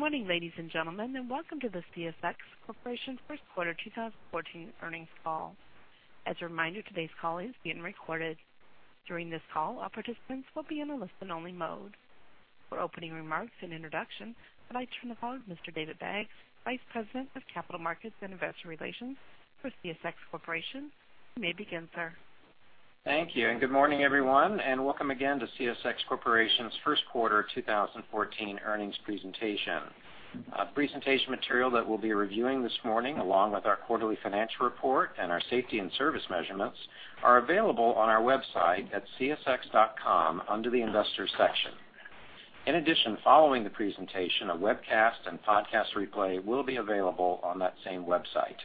Good morning, ladies and gentlemen, and welcome to the CSX Corporation first quarter 2014 earnings call. As a reminder, today's call is being recorded. During this call, all participants will be in a listen-only mode. For opening remarks and introduction, would I turn the floor to Mr. David Baggs, Vice President of Capital Markets and Investor Relations for CSX Corporation? You may begin, sir. Thank you, and good morning, everyone, and welcome again to CSX Corporation's first quarter 2014 earnings presentation. Presentation material that we'll be reviewing this morning, along with our quarterly financial report and our safety and service measurements, are available on our website at csx.com under the Investors section. In addition, following the presentation, a webcast and podcast replay will be available on that same website.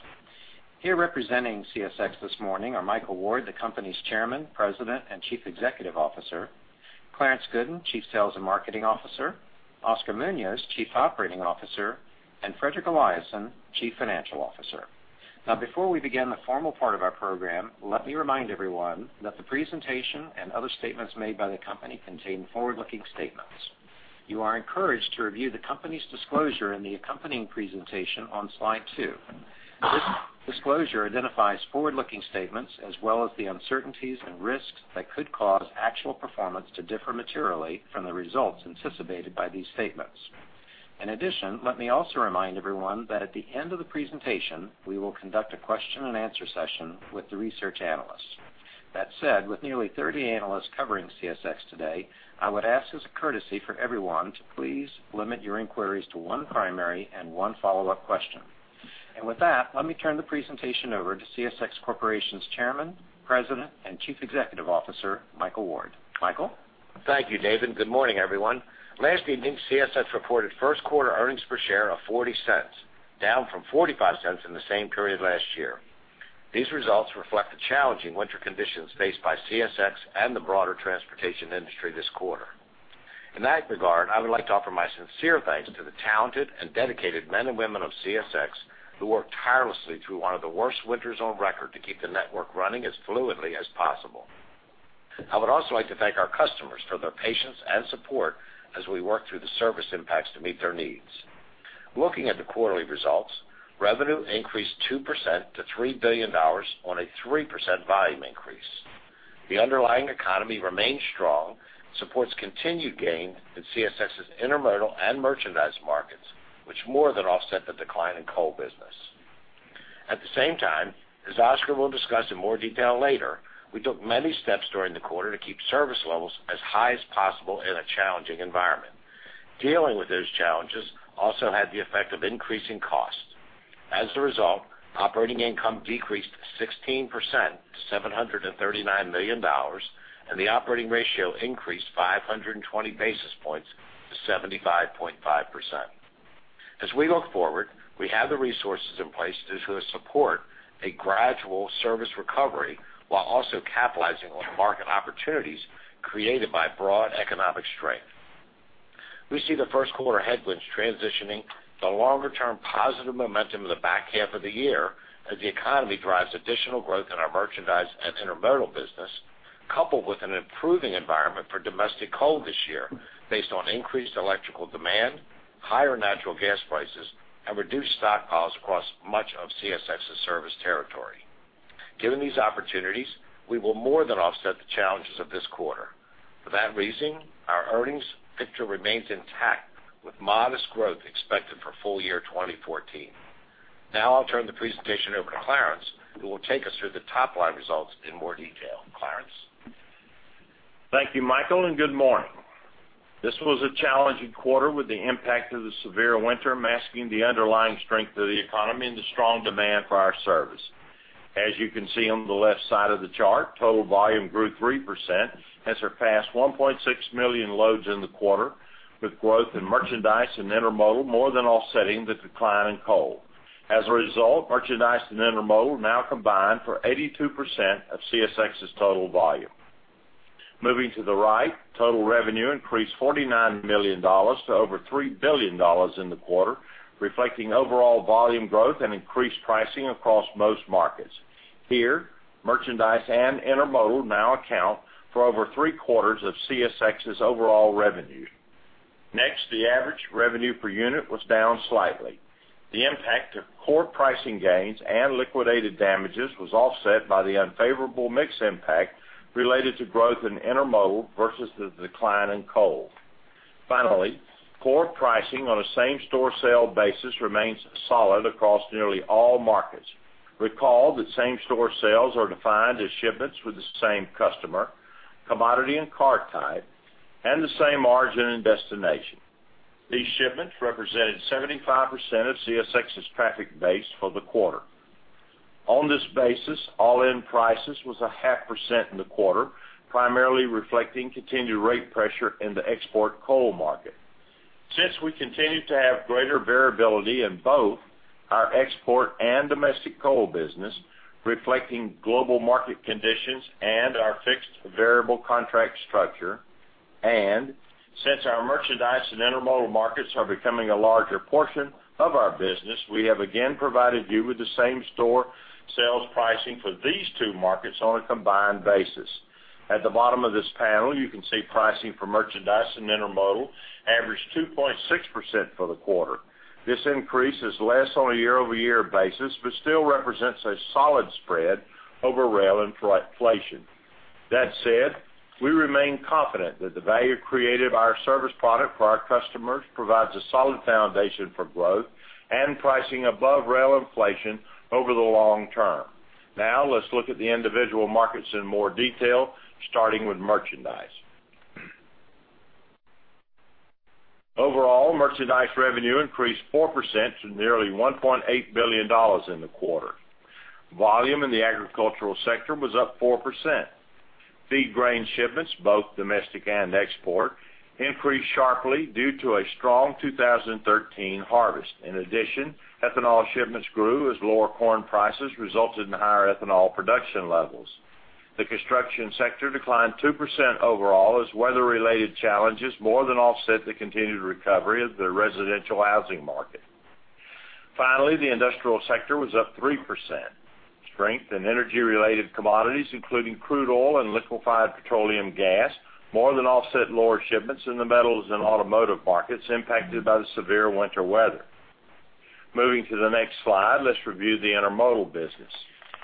Here representing CSX this morning are Michael Ward, the company's Chairman, President, and Chief Executive Officer, Clarence Gooden, Chief Sales and Marketing Officer, Oscar Munoz, Chief Operating Officer, and Fredrik Eliasson, Chief Financial Officer. Now, before we begin the formal part of our program, let me remind everyone that the presentation and other statements made by the company contain forward-looking statements. You are encouraged to review the company's disclosure in the accompanying presentation on slide two. This disclosure identifies forward-looking statements as well as the uncertainties and risks that could cause actual performance to differ materially from the results anticipated by these statements. In addition, let me also remind everyone that at the end of the presentation, we will conduct a question-and-answer session with the research analysts. That said, with nearly 30 analysts covering CSX today, I would ask as a courtesy for everyone to please limit your inquiries to one primary and one follow-up question. With that, let me turn the presentation over to CSX Corporation's Chairman, President, and Chief Executive Officer Michael Ward. Michael? Thank you, David. Good morning, everyone. Last evening, CSX reported first quarter earnings per share of $0.40, down from $0.45 in the same period last year. These results reflect the challenging winter conditions faced by CSX and the broader transportation industry this quarter. In that regard, I would like to offer my sincere thanks to the talented and dedicated men and women of CSX who worked tirelessly through one of the worst winters on record to keep the network running as fluidly as possible. I would also like to thank our customers for their patience and support as we work through the service impacts to meet their needs. Looking at the quarterly results, revenue increased 2% to $3 billion on a 3% volume increase. The underlying economy remains strong, supports continued gain in CSX's intermodal and merchandise markets, which more than offset the decline in coal business. At the same time, as Oscar will discuss in more detail later, we took many steps during the quarter to keep service levels as high as possible in a challenging environment. Dealing with those challenges also had the effect of increasing costs. As a result, operating income decreased 16% to $739 million, and the operating ratio increased 520 basis points to 75.5%. As we look forward, we have the resources in place to support a gradual service recovery while also capitalizing on market opportunities created by broad economic strength. We see the first quarter headwinds transitioning the longer-term positive momentum of the back half of the year as the economy drives additional growth in our merchandise and intermodal business, coupled with an improving environment for domestic coal this year based on increased electrical demand, higher natural gas prices, and reduced stockpiles across much of CSX's service territory. Given these opportunities, we will more than offset the challenges of this quarter. For that reason, our earnings picture remains intact, with modest growth expected for full year 2014. Now I'll turn the presentation over to Clarence, who will take us through the top-line results in more detail. Clarence? Thank you, Michael, and good morning. This was a challenging quarter with the impact of the severe winter masking the underlying strength of the economy and the strong demand for our service. As you can see on the left side of the chart, total volume grew 3%, has surpassed 1.6 million loads in the quarter, with growth in merchandise and intermodal more than offsetting the decline in coal. As a result, merchandise and intermodal now combine for 82% of CSX's total volume. Moving to the right, total revenue increased $49 million to over $3 billion in the quarter, reflecting overall volume growth and increased pricing across most markets. Here, merchandise and intermodal now account for over three-quarters of CSX's overall revenue. Next, the average revenue per unit was down slightly. The impact of core pricing gains and liquidated damages was offset by the unfavorable mix impact related to growth in intermodal versus the decline in coal. Finally, core pricing on a same-store sale basis remains solid across nearly all markets. Recall that same-store sales are defined as shipments with the same customer, commodity and car type, and the same origin and destination. These shipments represented 75% of CSX's traffic base for the quarter. On this basis, all-in prices was 0.5% in the quarter, primarily reflecting continued rate pressure in the export coal market. Since we continue to have greater variability in both our export and domestic coal business, reflecting global market conditions and our fixed variable contract structure, and since our merchandise and intermodal markets are becoming a larger portion of our business, we have again provided you with the same-store sales pricing for these two markets on a combined basis. At the bottom of this panel, you can see pricing for merchandise and intermodal averaged 2.6% for the quarter. This increase is less on a year-over-year basis but still represents a solid spread over rail inflation. That said, we remain confident that the value created by our service product for our customers provides a solid foundation for growth and pricing above rail inflation over the long term. Now let's look at the individual markets in more detail, starting with merchandise. Overall, merchandise revenue increased 4% to nearly $1.8 billion in the quarter. Volume in the agricultural sector was up 4%. Feed grain shipments, both domestic and export, increased sharply due to a strong 2013 harvest. In addition, ethanol shipments grew as lower corn prices resulted in higher ethanol production levels. The construction sector declined 2% overall as weather-related challenges more than offset the continued recovery of the residential housing market. Finally, the industrial sector was up 3%. Strength in energy-related commodities, including crude oil and liquefied petroleum gas, more than offset lower shipments in the metals and automotive markets impacted by the severe winter weather. Moving to the next slide, let's review the intermodal business.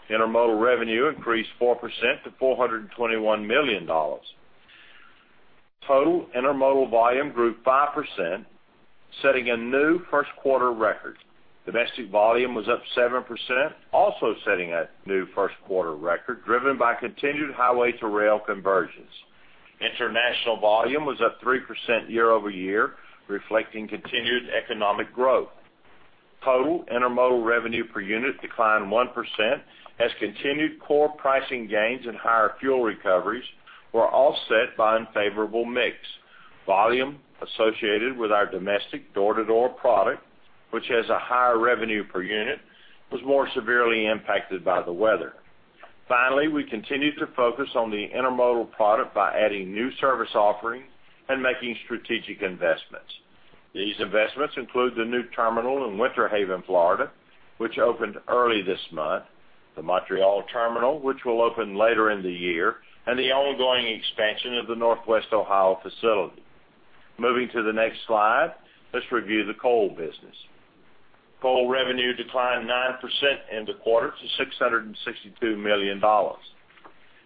Intermodal revenue increased 4% to $421 million. Total intermodal volume grew 5%, setting a new first-quarter record. Domestic volume was up 7%, also setting a new first-quarter record driven by continued highway-to-rail conversions. International volume was up 3% year-over-year, reflecting continued economic growth. Total intermodal revenue per unit declined 1% as continued core pricing gains and higher fuel recoveries were offset by unfavorable mix. Volume associated with our domestic door-to-door product, which has a higher revenue per unit, was more severely impacted by the weather. Finally, we continued to focus on the intermodal product by adding new service offerings and making strategic investments. These investments include the new terminal in Winter Haven, Florida, which opened early this month. The Montreal terminal, which will open later in the year. And the ongoing expansion of the Northwest Ohio facility. Moving to the next slide, let's review the coal business. Coal revenue declined 9% in the quarter to $662 million.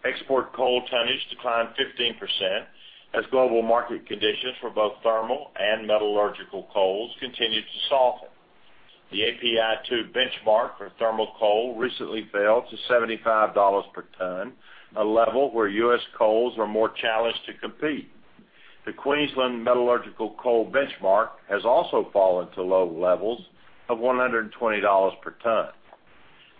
Export coal tonnage declined 15% as global market conditions for both thermal and metallurgical coals continue to soften. The API 2 benchmark for thermal coal recently fell to $75 per ton, a level where U.S. coals are more challenged to compete. The Queensland Metallurgical Coal benchmark has also fallen to low levels of $120 per ton.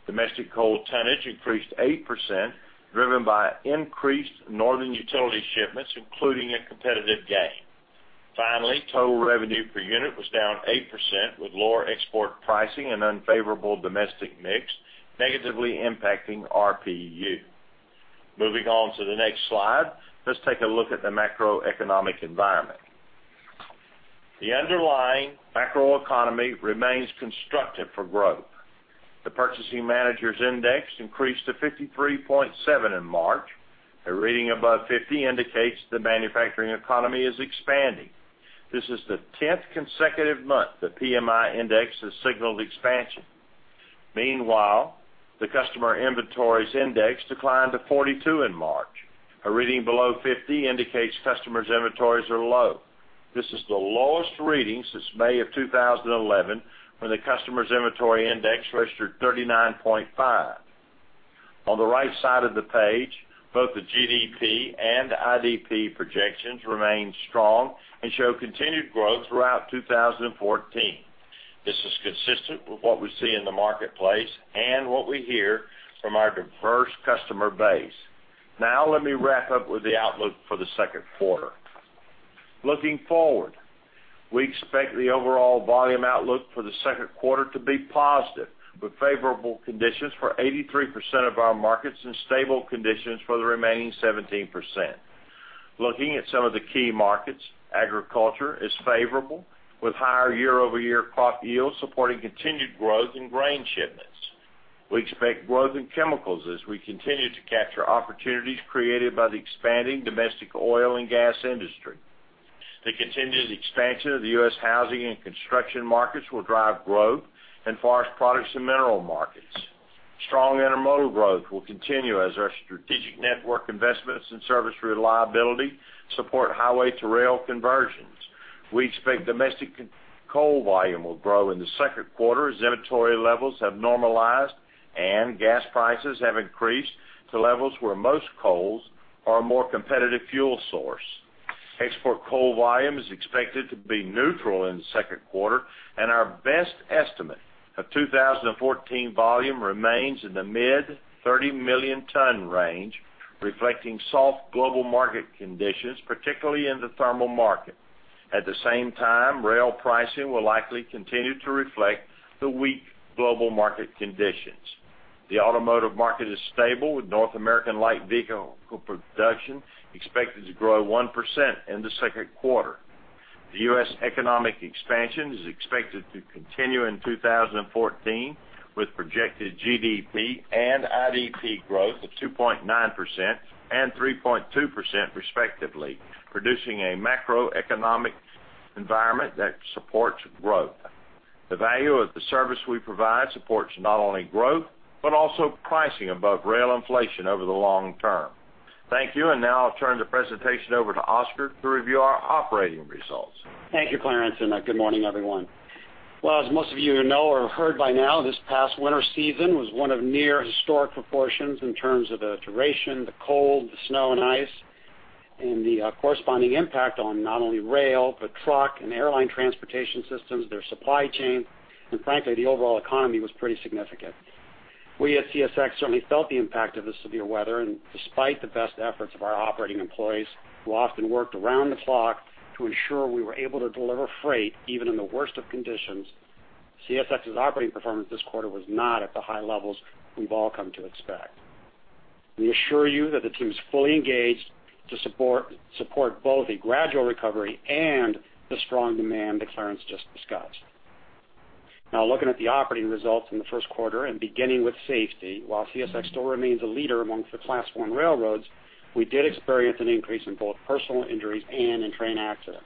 Domestic coal tonnage increased 8% driven by increased northern utility shipments, including a competitive gain. Finally, total revenue per unit was down 8% with lower export pricing and unfavorable domestic mix, negatively impacting RPU. Moving on to the next slide, let's take a look at the macroeconomic environment. The underlying macroeconomy remains constructive for growth. The Purchasing Managers' Index increased to 53.7 in March. A reading above 50 indicates the manufacturing economy is expanding. This is the 10th consecutive month the PMI Index has signaled expansion. Meanwhile, the Customer Inventories Index declined to 42 in March. A reading below 50 indicates customers' inventories are low. This is the lowest reading since May of 2011, when the Customer Inventory Index registered 39.5. On the right side of the page, both the GDP and IDP projections remain strong and show continued growth throughout 2014. This is consistent with what we see in the marketplace and what we hear from our diverse customer base. Now let me wrap up with the outlook for the second quarter. Looking forward, we expect the overall volume outlook for the second quarter to be positive, with favorable conditions for 83% of our markets and stable conditions for the remaining 17%. Looking at some of the key markets, agriculture is favorable, with higher year-over-year crop yields supporting continued growth in grain shipments. We expect growth in chemicals as we continue to capture opportunities created by the expanding domestic oil and gas industry. The continued expansion of the U.S. housing and construction markets will drive growth in forest products and mineral markets. Strong intermodal growth will continue as our strategic network investments and service reliability support highway-to-rail conversions. We expect domestic coal volume will grow in the second quarter as inventory levels have normalized and gas prices have increased to levels where most coals are a more competitive fuel source. Export coal volume is expected to be neutral in the second quarter, and our best estimate of 2014 volume remains in the mid-30 million ton range, reflecting soft global market conditions, particularly in the thermal market. At the same time, rail pricing will likely continue to reflect the weak global market conditions. The automotive market is stable, with North American light vehicle production expected to grow 1% in the second quarter. The U.S. economic expansion is expected to continue in 2014, with projected GDP and IDP growth of 2.9% and 3.2% respectively, producing a macroeconomic environment that supports growth. The value of the service we provide supports not only growth but also pricing above rail inflation over the long term. Thank you, and now I'll turn the presentation over to Oscar to review our operating results. Thank you, Clarence, and good morning, everyone. Well, as most of you know or have heard by now, this past winter season was one of near-historic proportions in terms of the duration, the cold, the snow and ice, and the corresponding impact on not only rail but truck and airline transportation systems, their supply chain, and frankly, the overall economy was pretty significant. We at CSX certainly felt the impact of the severe weather, and despite the best efforts of our operating employees, who often worked around the clock to ensure we were able to deliver freight even in the worst of conditions, CSX's operating performance this quarter was not at the high levels we've all come to expect. We assure you that the team is fully engaged to support both a gradual recovery and the strong demand that Clarence just discussed. Now, looking at the operating results in the first quarter and beginning with safety, while CSX still remains a leader amongst the Class I railroads, we did experience an increase in both personal injuries and in train accidents.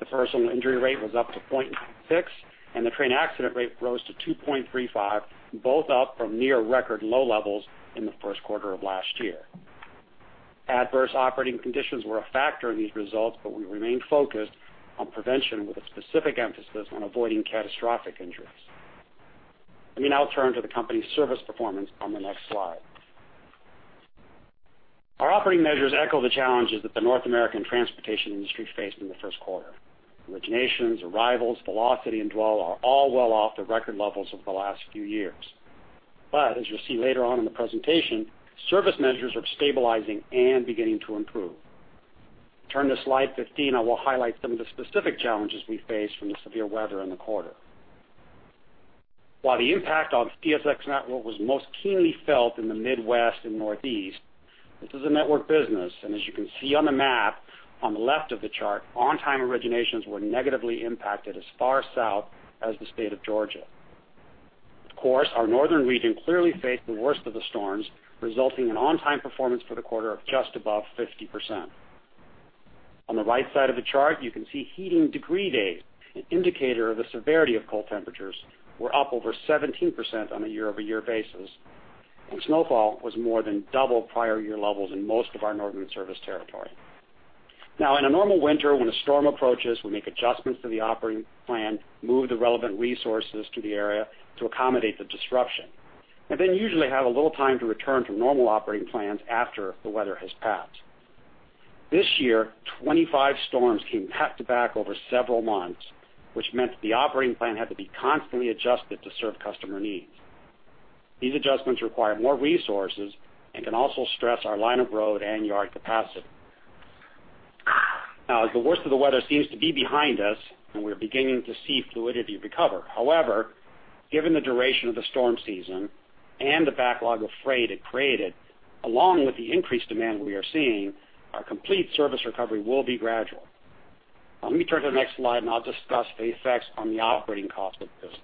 The personal injury rate was up to 0.96, and the train accident rate rose to 2.35, both up from near-record low levels in the first quarter of last year. Adverse operating conditions were a factor in these results, but we remained focused on prevention with a specific emphasis on avoiding catastrophic injuries. Let me now turn to the company's service performance on the next slide. Our operating measures echo the challenges that the North American transportation industry faced in the first quarter. Originations, arrivals, velocity and dwell are all well off the record levels of the last few years. But as you'll see later on in the presentation, service measures are stabilizing and beginning to improve. Turn to slide 15, I will highlight some of the specific challenges we faced from the severe weather in the quarter. While the impact on CSX's network was most keenly felt in the Midwest and Northeast, this is a network business, and as you can see on the map on the left of the chart, on-time originations were negatively impacted as far south as the state of Georgia. Of course, our northern region clearly faced the worst of the storms, resulting in on-time performance for the quarter of just above 50%. On the right side of the chart, you can see heating degree days, an indicator of the severity of cold temperatures, were up over 17% on a year-over-year basis, and snowfall was more than double prior year levels in most of our northern service territory. Now, in a normal winter, when a storm approaches, we make adjustments to the operating plan, move the relevant resources to the area to accommodate the disruption, and then usually have a little time to return to normal operating plans after the weather has passed. This year, 25 storms came back to back over several months, which meant the operating plan had to be constantly adjusted to serve customer needs. These adjustments require more resources and can also stress our line of road and yard capacity. Now, as the worst of the weather seems to be behind us and we're beginning to see fluidity recover, however, given the duration of the storm season and the backlog of freight it created, along with the increased demand we are seeing, our complete service recovery will be gradual. Now, let me turn to the next slide, and I'll discuss the effects on the operating costs of the business.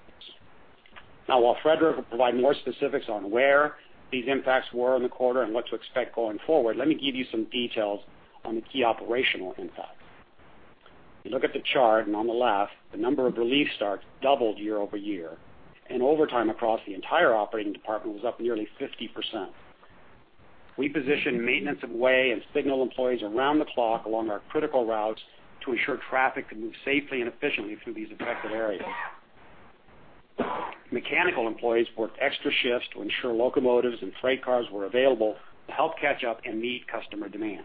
Now, while Fredrik will provide more specifics on where these impacts were in the quarter and what to expect going forward, let me give you some details on the key operational impacts. If you look at the chart and on the left, the number of relief starts doubled year over year, and overtime across the entire operating department was up nearly 50%. We positioned maintenance of way and signal employees around the clock along our critical routes to ensure traffic could move safely and efficiently through these affected areas. Mechanical employees worked extra shifts to ensure locomotives and freight cars were available to help catch up and meet customer demand,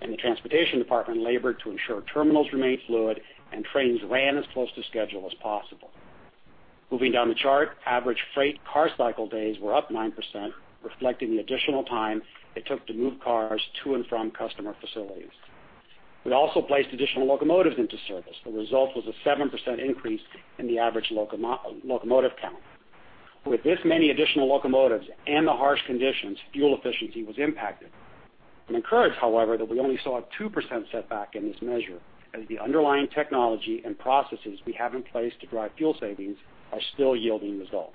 and the transportation department labored to ensure terminals remained fluid and trains ran as close to schedule as possible. Moving down the chart, average freight car cycle days were up 9%, reflecting the additional time it took to move cars to and from customer facilities. We also placed additional locomotives into service. The result was a 7% increase in the average locomotive count. With this many additional locomotives and the harsh conditions, fuel efficiency was impacted. I'm encouraged, however, that we only saw a 2% setback in this measure as the underlying technology and processes we have in place to drive fuel savings are still yielding results.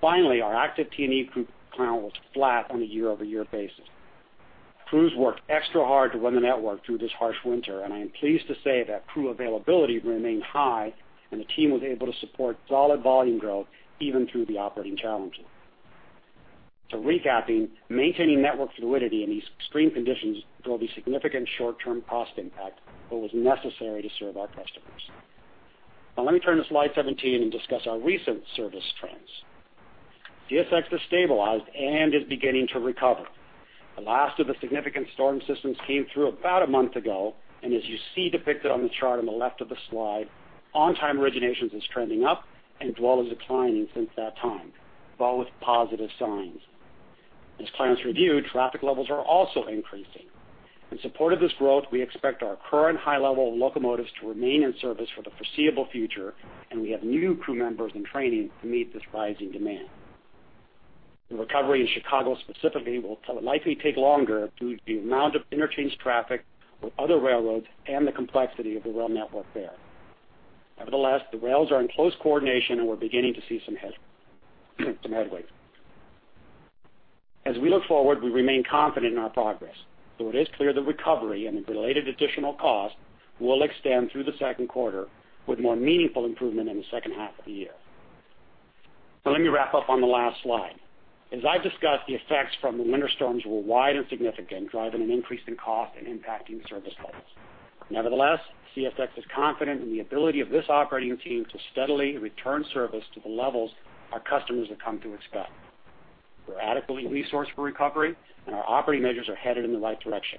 Finally, our active T&E group count was flat on a year-over-year basis. Crews worked extra hard to run the network through this harsh winter, and I am pleased to say that crew availability remained high, and the team was able to support solid volume growth even through the operating challenges. So recapping, maintaining network fluidity in these extreme conditions drove a significant short-term cost impact that was necessary to serve our customers. Now, let me turn to slide 17 and discuss our recent service trends. CSX has stabilized and is beginning to recover. The last of the significant storm systems came through about a month ago, and as you see depicted on the chart on the left of the slide, on-time originations are trending up and dwell is declining since that time, both positive signs. As Clarence reviewed, traffic levels are also increasing. In support of this growth, we expect our current high-level locomotives to remain in service for the foreseeable future, and we have new crew members in training to meet this rising demand. The recovery in Chicago specifically will likely take longer due to the amount of interchange traffic with other railroads and the complexity of the rail network there. Nevertheless, the rails are in close coordination, and we're beginning to see some headway. As we look forward, we remain confident in our progress, though it is clear the recovery and the related additional costs will extend through the second quarter with more meaningful improvement in the second half of the year. Now, let me wrap up on the last slide. As I've discussed, the effects from the winter storms were wide and significant, driving an increase in cost and impacting service levels. Nevertheless, CSX is confident in the ability of this operating team to steadily return service to the levels our customers have come to expect. We're adequately resourced for recovery, and our operating measures are headed in the right direction.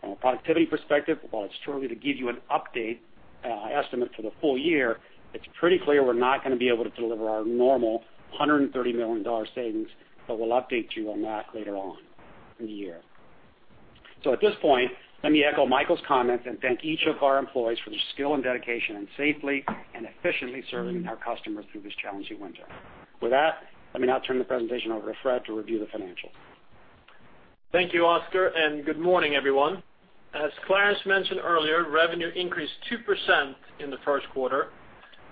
From a productivity perspective, while it's too early to give you an updated estimate for the full year, it's pretty clear we're not going to be able to deliver our normal $130 million savings, but we'll update you on that later on in the year. So at this point, let me echo Michael's comments and thank each of our employees for their skill and dedication in safely and efficiently serving our customers through this challenging winter. With that, let me now turn the presentation over to Fred to review the financials. Thank you, Oscar, and good morning, everyone. As Clarence mentioned earlier, revenue increased 2% in the first quarter,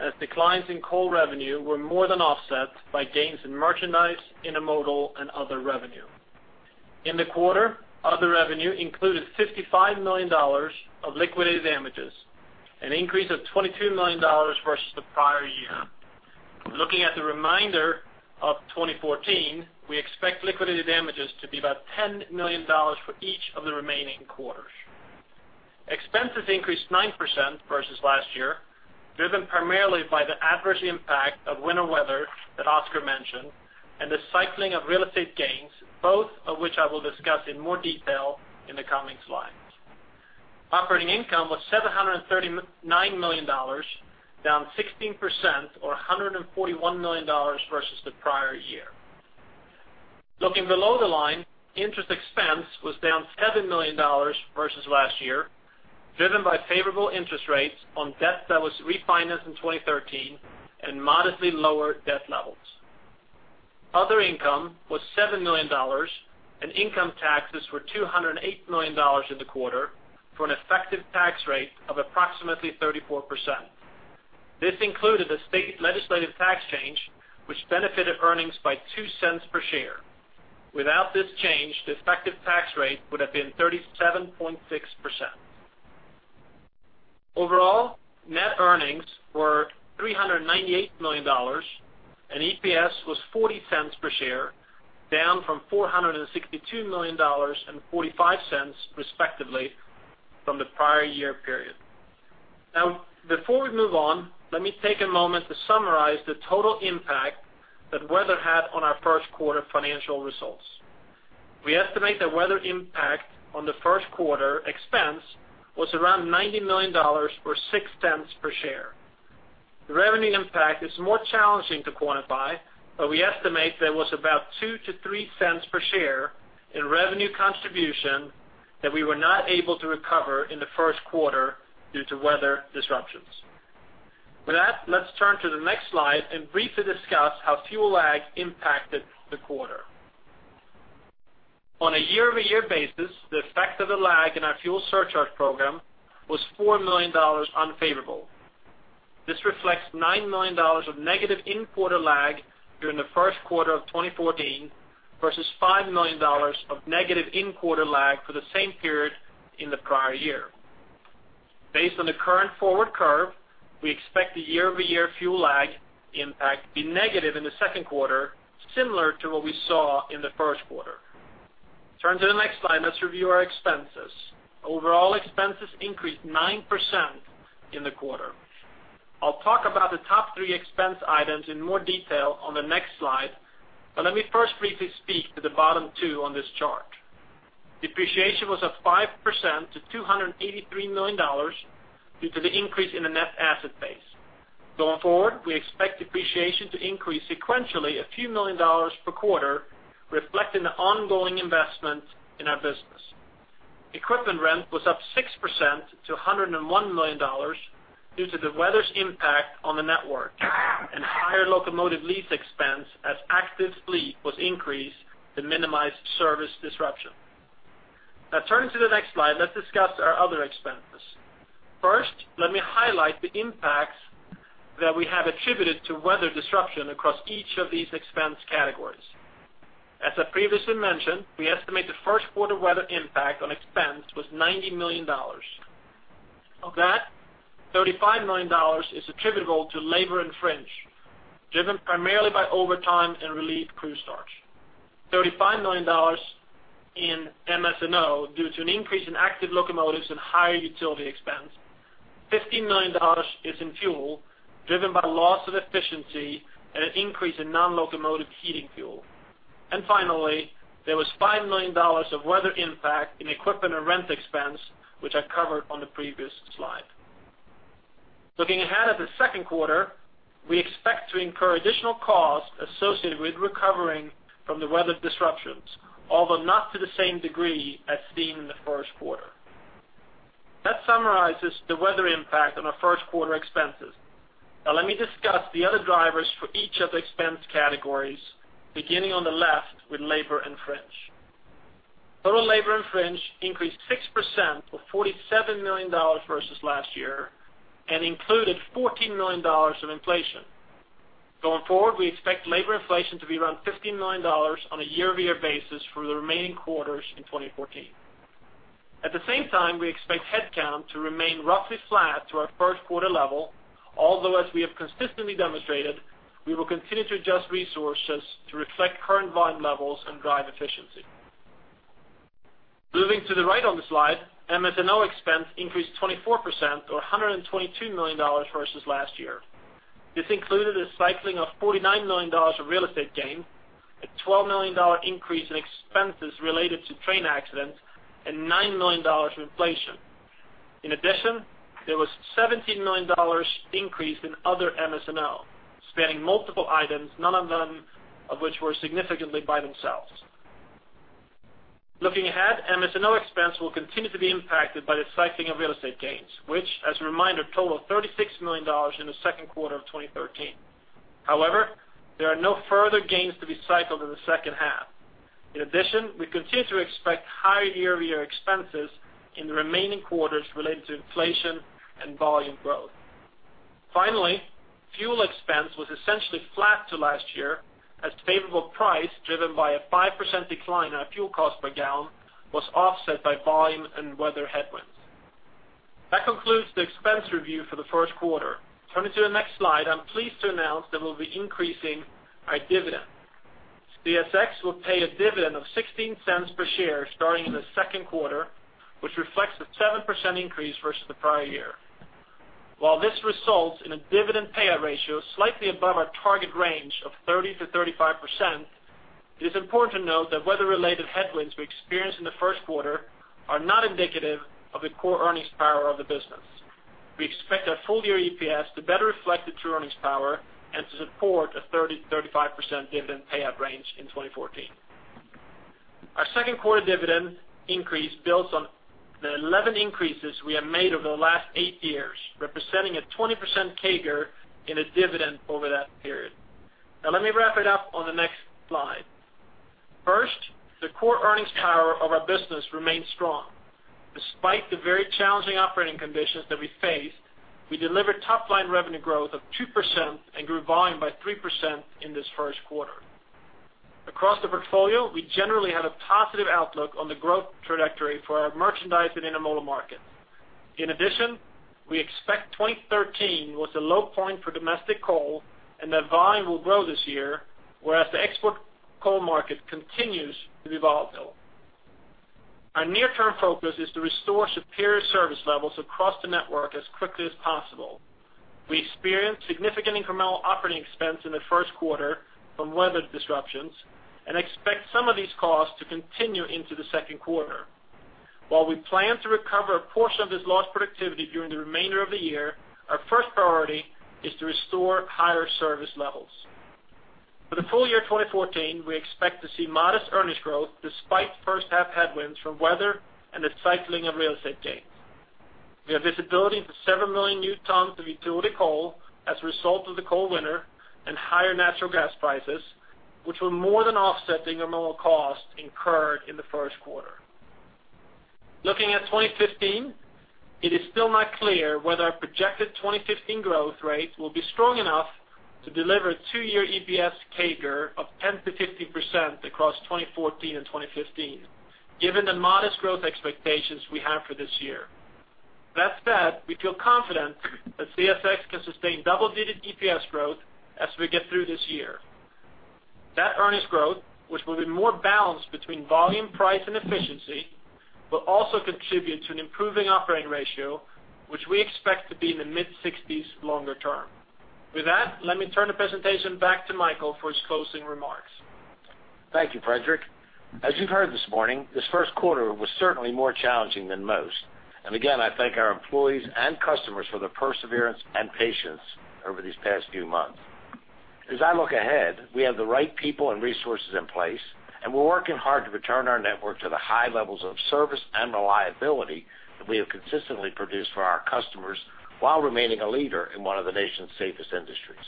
as declines in coal revenue were more than offset by gains in merchandise, intermodal, and other revenue. In the quarter, other revenue included $55 million of liquidated damages, an increase of $22 million versus the prior year. Looking at the remainder of 2014, we expect liquidated damages to be about $10 million for each of the remaining quarters. Expenses increased 9% versus last year, driven primarily by the adverse impact of winter weather that Oscar mentioned and the cycling of real estate gains, both of which I will discuss in more detail in the coming slides. Operating income was $739 million, down 16% or $141 million versus the prior year. Looking below the line, interest expense was down $7 million versus last year, driven by favorable interest rates on debt that was refinanced in 2013 and modestly lower debt levels. Other income was $7 million, and income taxes were $208 million in the quarter for an effective tax rate of approximately 34%. This included the state legislative tax change, which benefited earnings by $0.02 per share. Without this change, the effective tax rate would have been 37.6%. Overall, net earnings were $398 million, and EPS was $0.40 per share, down from $462 million and $0.45, respectively, from the prior year period. Now, before we move on, let me take a moment to summarize the total impact that weather had on our first quarter financial results. We estimate that weather impact on the first quarter expense was around $90 million or $0.06 per share. The revenue impact is more challenging to quantify, but we estimate there was about 2-3 cents per share in revenue contribution that we were not able to recover in the first quarter due to weather disruptions. With that, let's turn to the next slide and briefly discuss how fuel lag impacted the quarter. On a year-over-year basis, the effect of the lag in our fuel surcharge program was $4 million unfavorable. This reflects $9 million of negative in-quarter lag during the first quarter of 2014 versus $5 million of negative in-quarter lag for the same period in the prior year. Based on the current forward curve, we expect the year-over-year fuel lag impact to be negative in the second quarter, similar to what we saw in the first quarter. Turn to the next slide. Let's review our expenses. Overall expenses increased 9% in the quarter. I'll talk about the top three expense items in more detail on the next slide, but let me first briefly speak to the bottom two on this chart. Depreciation was up 5% to $283 million due to the increase in the net asset base. Going forward, we expect depreciation to increase sequentially a few million dollars per quarter, reflecting the ongoing investment in our business. Equipment rent was up 6% to $101 million due to the weather's impact on the network and higher locomotive lease expense as active fleet was increased to minimize service disruption. Now, turning to the next slide, let's discuss our other expenses. First, let me highlight the impacts that we have attributed to weather disruption across each of these expense categories. As I previously mentioned, we estimate the first quarter weather impact on expense was $90 million. Of that, $35 million is attributable to labor and fringe, driven primarily by overtime and relief crew starts. $35 million in MS&O due to an increase in active locomotives and higher utility expense. $15 million is in fuel, driven by loss of efficiency and an increase in non-locomotive heating fuel. And finally, there was $5 million of weather impact in equipment and rent expense, which I covered on the previous slide. Looking ahead at the second quarter, we expect to incur additional costs associated with recovering from the weather disruptions, although not to the same degree as seen in the first quarter. That summarizes the weather impact on our first quarter expenses. Now, let me discuss the other drivers for each of the expense categories, beginning on the left with labor and fringe. Total labor and fringe increased 6% or $47 million versus last year and included $14 million of inflation. Going forward, we expect labor inflation to be around $15 million on a year-over-year basis for the remaining quarters in 2014. At the same time, we expect headcount to remain roughly flat to our first quarter level, although, as we have consistently demonstrated, we will continue to adjust resources to reflect current volume levels and drive efficiency. Moving to the right on the slide, MS&O expense increased 24% or $122 million versus last year. This included a cycling of $49 million of real estate gain, a $12 million increase in expenses related to train accidents, and $9 million of inflation. In addition, there was a $17 million increase in other MS&O, spanning multiple items, none of them of which were significantly by themselves. Looking ahead, MS&O expense will continue to be impacted by the cycling of real estate gains, which, as a reminder, totaled $36 million in the second quarter of 2013. However, there are no further gains to be cycled in the second half. In addition, we continue to expect higher year-over-year expenses in the remaining quarters related to inflation and volume growth. Finally, fuel expense was essentially flat to last year as favorable price, driven by a 5% decline in our fuel cost per gallon, was offset by volume and weather headwinds. That concludes the expense review for the first quarter. Turning to the next slide, I'm pleased to announce that we'll be increasing our dividend. CSX will pay a dividend of $0.16 per share starting in the second quarter, which reflects a 7% increase versus the prior year. While this results in a dividend payout ratio slightly above our target range of 30%-35%, it is important to note that weather-related headwinds we experienced in the first quarter are not indicative of the core earnings power of the business. We expect our full-year EPS to better reflect the true earnings power and to support a 30%-35% dividend payout range in 2014. Our second quarter dividend increase builds on the 11 increases we have made over the last eight years, representing a 20% CAGR in the dividend over that period. Now, let me wrap it up on the next slide. First, the core earnings power of our business remains strong. Despite the very challenging operating conditions that we faced, we delivered top-line revenue growth of 2% and grew volume by 3% in this first quarter. Across the portfolio, we generally have a positive outlook on the growth trajectory for our merchandise and intermodal markets. In addition, we expect 2013 was a low point for domestic coal and that volume will grow this year, whereas the export coal market continues to be volatile. Our near-term focus is to restore superior service levels across the network as quickly as possible. We experienced significant incremental operating expense in the first quarter from weather disruptions and expect some of these costs to continue into the second quarter. While we plan to recover a portion of this lost productivity during the remainder of the year, our first priority is to restore higher service levels. For the full year 2014, we expect to see modest earnings growth despite first-half headwinds from weather and the cycling of real estate gains. We have visibility into 7 million new tons of utility coal as a result of the cold winter and higher natural gas prices, which were more than offsetting intermodal costs incurred in the first quarter. Looking at 2015, it is still not clear whether our projected 2015 growth rate will be strong enough to deliver a two-year EPS CAGR of 10%-15% across 2014 and 2015, given the modest growth expectations we have for this year. That said, we feel confident that CSX can sustain double-digit EPS growth as we get through this year. That earnings growth, which will be more balanced between volume, price, and efficiency, will also contribute to an improving operating ratio, which we expect to be in the mid-60s longer term. With that, let me turn the presentation back to Michael for his closing remarks. Thank you, Fredrik. As you've heard this morning, this first quarter was certainly more challenging than most. Again, I thank our employees and customers for their perseverance and patience over these past few months. As I look ahead, we have the right people and resources in place, and we're working hard to return our network to the high levels of service and reliability that we have consistently produced for our customers while remaining a leader in one of the nation's safest industries.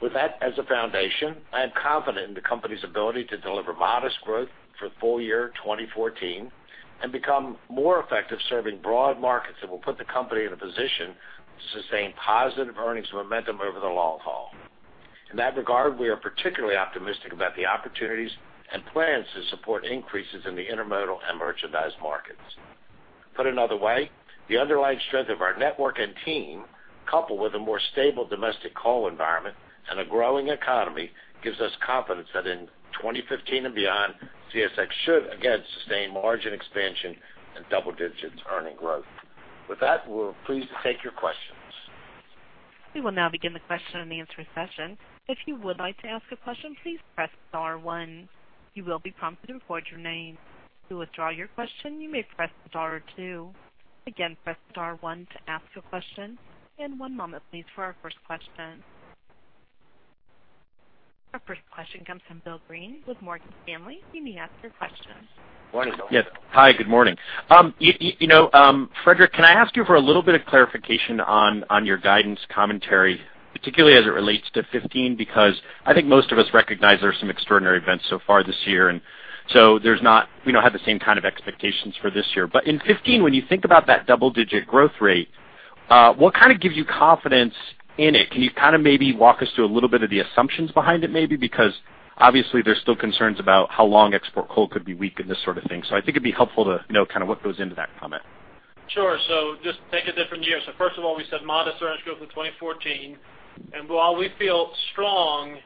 With that as a foundation, I am confident in the company's ability to deliver modest growth for the full year 2014 and become more effective serving broad markets that will put the company in a position to sustain positive earnings momentum over the long haul. In that regard, we are particularly optimistic about the opportunities and plans to support increases in the intermodal and merchandise markets. Put another way, the underlying strength of our network and team, coupled with a more stable domestic coal environment and a growing economy, gives us confidence that in 2015 and beyond, CSX should, again, sustain margin expansion and double-digit earnings growth. With that, we're pleased to take your questions. We will now begin the question and answer session. If you would like to ask a question, please press star one. You will be prompted to report your name. To withdraw your question, you may press star two. Again, press star one to ask a question. One moment, please, for our first question. Our first question comes from Bill Greene with Morgan Stanley. You may ask your question. Morning, Bill. Yes. Hi. Good morning. Fredrik, can I ask you for a little bit of clarification on your guidance commentary, particularly as it relates to 2015? Because I think most of us recognize there are some extraordinary events so far this year, and so we don't have the same kind of expectations for this year. But in 2015, when you think about that double-digit growth rate, what kind of gives you confidence in it? Can you kind of maybe walk us through a little bit of the assumptions behind it, maybe? Because obviously, there's still concerns about how long export coal could be weak and this sort of thing. So I think it'd be helpful to know kind of what goes into that comment. Sure. So just take a different year. So first of all, we said modest earnings growth in 2014. And while we feel strong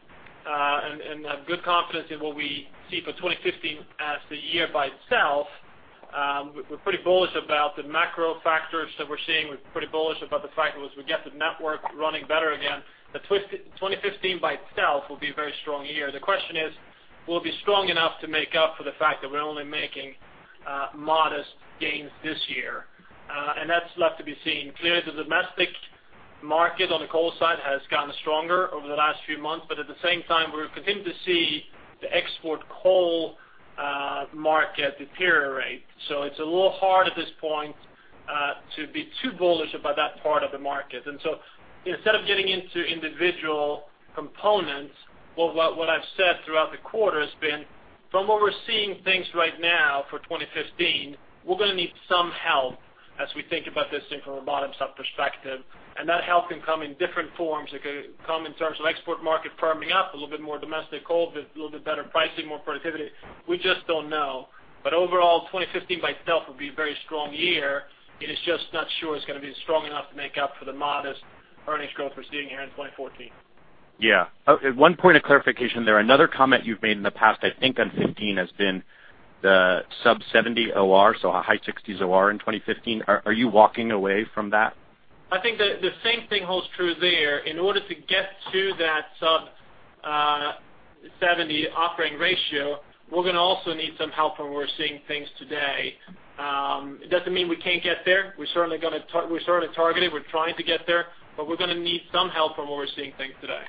and have good confidence in what we see for 2015 as the year by itself, we're pretty bullish about the macro factors that we're seeing. We're pretty bullish about the fact that once we get the network running better again, that 2015 by itself will be a very strong year. The question is, will it be strong enough to make up for the fact that we're only making modest gains this year? And that's left to be seen. Clearly, the domestic market on the coal side has gotten stronger over the last few months. But at the same time, we're continuing to see the export coal market deteriorate. So it's a little hard at this point to be too bullish about that part of the market. And so instead of getting into individual components, what I've said throughout the quarter has been, from what we're seeing things right now for 2015, we're going to need some help as we think about this thing from a bottom-up perspective. And that help can come in different forms. It could come in terms of export market firming up, a little bit more domestic coal with a little bit better pricing, more productivity. We just don't know. But overall, 2015 by itself will be a very strong year. It is just not sure it's going to be strong enough to make up for the modest earnings growth we're seeing here in 2014. Yeah. One point of clarification there. Another comment you've made in the past, I think, on 2015 has been the sub-70 OR, so high-60s OR in 2015. Are you walking away from that? I think the same thing holds true there. In order to get to that sub-70 operating ratio, we're going to also need some help from what we're seeing things today. It doesn't mean we can't get there. We're certainly going to target it. We're trying to get there. But we're going to need some help from what we're seeing things today.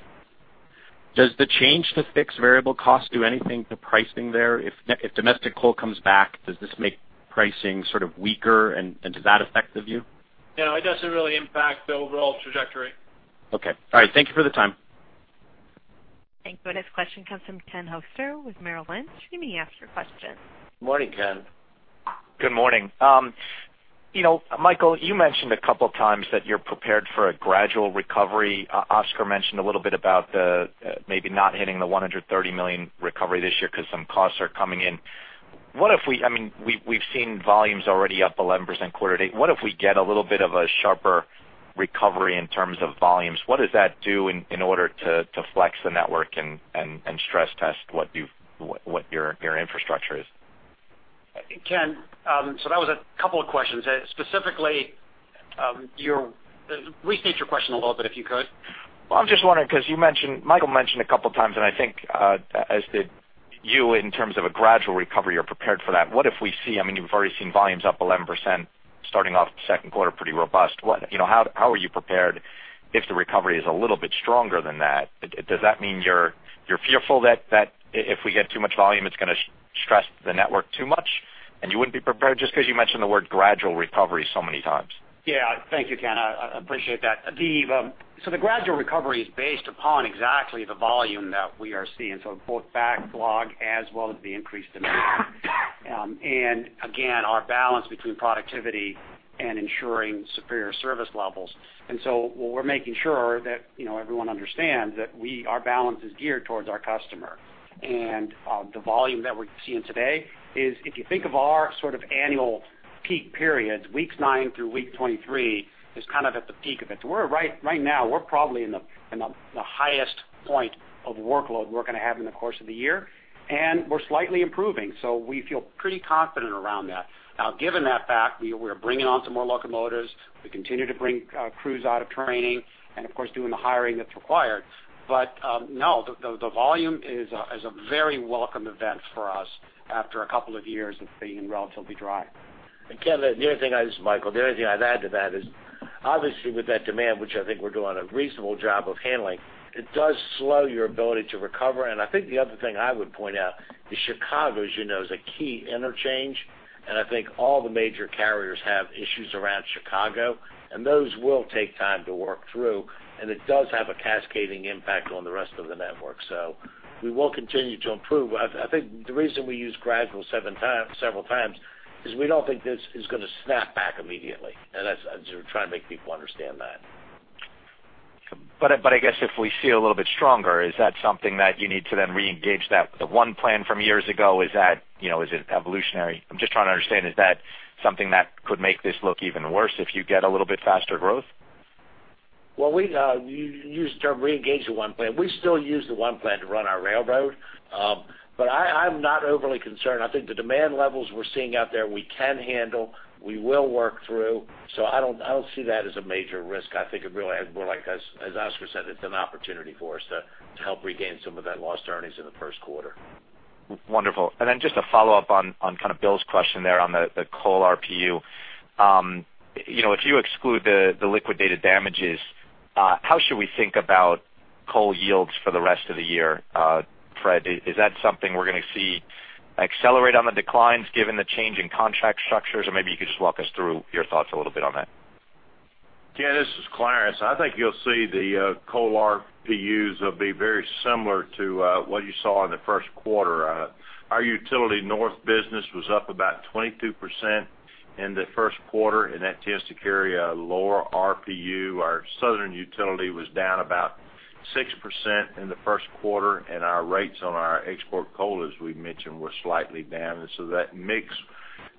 Does the change to fixed variable costs do anything to pricing there? If domestic coal comes back, does this make pricing sort of weaker? And does that affect the view? No. It doesn't really impact the overall trajectory. Okay. All right. Thank you for the time. Thank you. This question comes from Ken Hoexter with Merrill Lynch. You may ask your question. Morning, Ken. Good morning. Michael, you mentioned a couple of times that you're prepared for a gradual recovery. Oscar mentioned a little bit about maybe not hitting the $130 million recovery this year because some costs are coming in. I mean, we've seen volumes already up 11% quarter to date. What if we get a little bit of a sharper recovery in terms of volumes? What does that do in order to flex the network and stress-test what your infrastructure is? Ken, so that was a couple of questions. Specifically, restate your question a little bit if you could. Well, I'm just wondering because Michael mentioned a couple of times, and I think as did you, in terms of a gradual recovery, you're prepared for that. What if we see, I mean, you've already seen volumes up 11% starting off the second quarter, pretty robust. How are you prepared if the recovery is a little bit stronger than that? Does that mean you're fearful that if we get too much volume, it's going to stress the network too much? And you wouldn't be prepared just because you mentioned the word gradual recovery so many times. Yeah. Thank you, Ken. I appreciate that. So the gradual recovery is based upon exactly the volume that we are seeing, so both backlog as well as the increased demand. And again, our balance between productivity and ensuring superior service levels. And so what we're making sure that everyone understands is that our balance is geared towards our customer. And the volume that we're seeing today is, if you think of our sort of annual peak periods, weeks 9 through week 23 is kind of at the peak of it. Right now, we're probably in the highest point of workload we're going to have in the course of the year. And we're slightly improving. So we feel pretty confident around that. Now, given that fact, we are bringing on some more locomotives. We continue to bring crews out of training and, of course, doing the hiring that's required. But no, the volume is a very welcome event for us after a couple of years of being relatively dry. Ken, the only thing I'd add to that is, obviously, with that demand, which I think we're doing a reasonable job of handling, it does slow your ability to recover. I think the other thing I would point out is Chicago is a key interchange. I think all the major carriers have issues around Chicago. Those will take time to work through. It does have a cascading impact on the rest of the network. So we will continue to improve. I think the reason we use gradual several times is we don't think this is going to snap back immediately. I'm just trying to make people understand that. But I guess if we see a little bit stronger, is that something that you need to then re-engage that the One Plan from years ago? Is it evolutionary? I'm just trying to understand, is that something that could make this look even worse if you get a little bit faster growth? Well, you used the term re-engage the One Plan. We still use the One Plan to run our railroad. But I'm not overly concerned. I think the demand levels we're seeing out there, we can handle. We will work through. So I don't see that as a major risk. I think it really, as Oscar said, it's an opportunity for us to help regain some of that lost earnings in the first quarter. Wonderful. And then just a follow-up on kind of Bill's question there on the coal RPU. If you exclude the liquidated damages, how should we think about coal yields for the rest of the year, Fred? Is that something we're going to see accelerate on the declines given the change in contract structures? Or maybe you could just walk us through your thoughts a little bit on that. Ken, this is Clarence. I think you'll see the coal RPUs will be very similar to what you saw in the first quarter. Our utility north business was up about 22% in the first quarter, and that tends to carry a lower RPU. Our southern utility was down about 6% in the first quarter. And our rates on our export coal, as we mentioned, were slightly down. And so that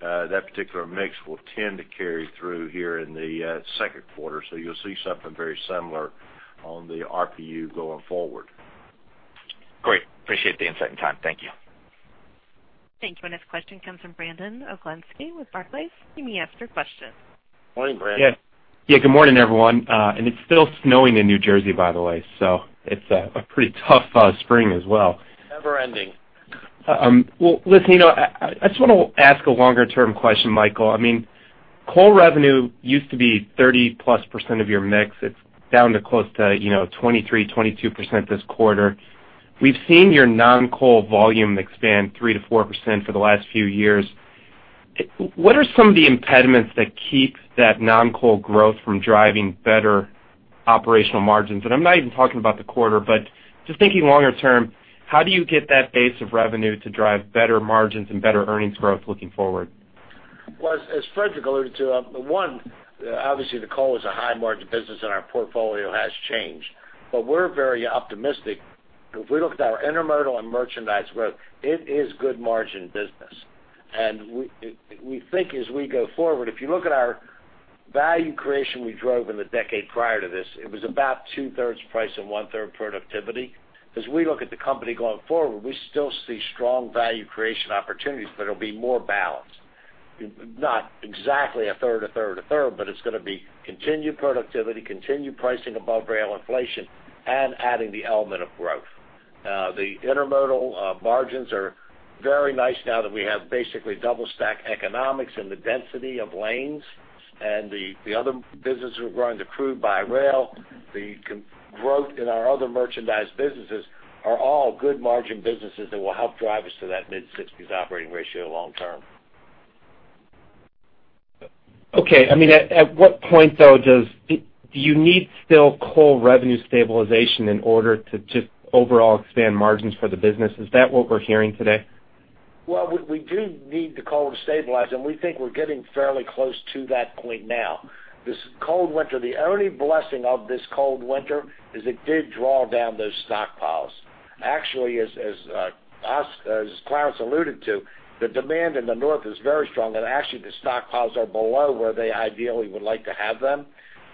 particular mix will tend to carry through here in the second quarter. So you'll see something very similar on the RPU going forward. Great. Appreciate the insight and time. Thank you. Thank you. This question comes from Brandon Oglenski with Barclays. You may ask your question. Morning, Brandon. Yeah. Good morning, everyone. And it's still snowing in New Jersey, by the way. So it's a pretty tough spring as well. Never-ending. Well, listen, I just want to ask a longer-term question, Michael. I mean, coal revenue used to be 30+% of your mix. It's down to close to 23%, 22% this quarter. We've seen your non-coal volume expand 3%-4% for the last few years. What are some of the impediments that keep that non-coal growth from driving better operational margins? And I'm not even talking about the quarter, but just thinking longer term, how do you get that base of revenue to drive better margins and better earnings growth looking forward? Well, as Fredrik alluded to, one, obviously, the coal is a high-margin business, and our portfolio has changed. But we're very optimistic. If we look at our intermodal and merchandise growth, it is good-margin business. And we think as we go forward, if you look at our value creation we drove in the decade prior to this, it was about two-thirds price and one-third productivity. As we look at the company going forward, we still see strong value creation opportunities, but it'll be more balanced. Not exactly a third, a third, a third, but it's going to be continued productivity, continued pricing above rail inflation, and adding the element of growth. The intermodal margins are very nice now that we have basically double-stack economics and the density of lanes. The other businesses we're growing, the crude by rail, the growth in our other merchandise businesses are all good-margin businesses that will help drive us to that mid-60s operating ratio long term. Okay. I mean, at what point, though, do you need still coal revenue stabilization in order to just overall expand margins for the business? Is that what we're hearing today? Well, we do need the coal to stabilize. And we think we're getting fairly close to that point now. The only blessing of this cold winter is it did draw down those stockpiles. Actually, as Clarence alluded to, the demand in the north is very strong. And actually, the stockpiles are below where they ideally would like to have them.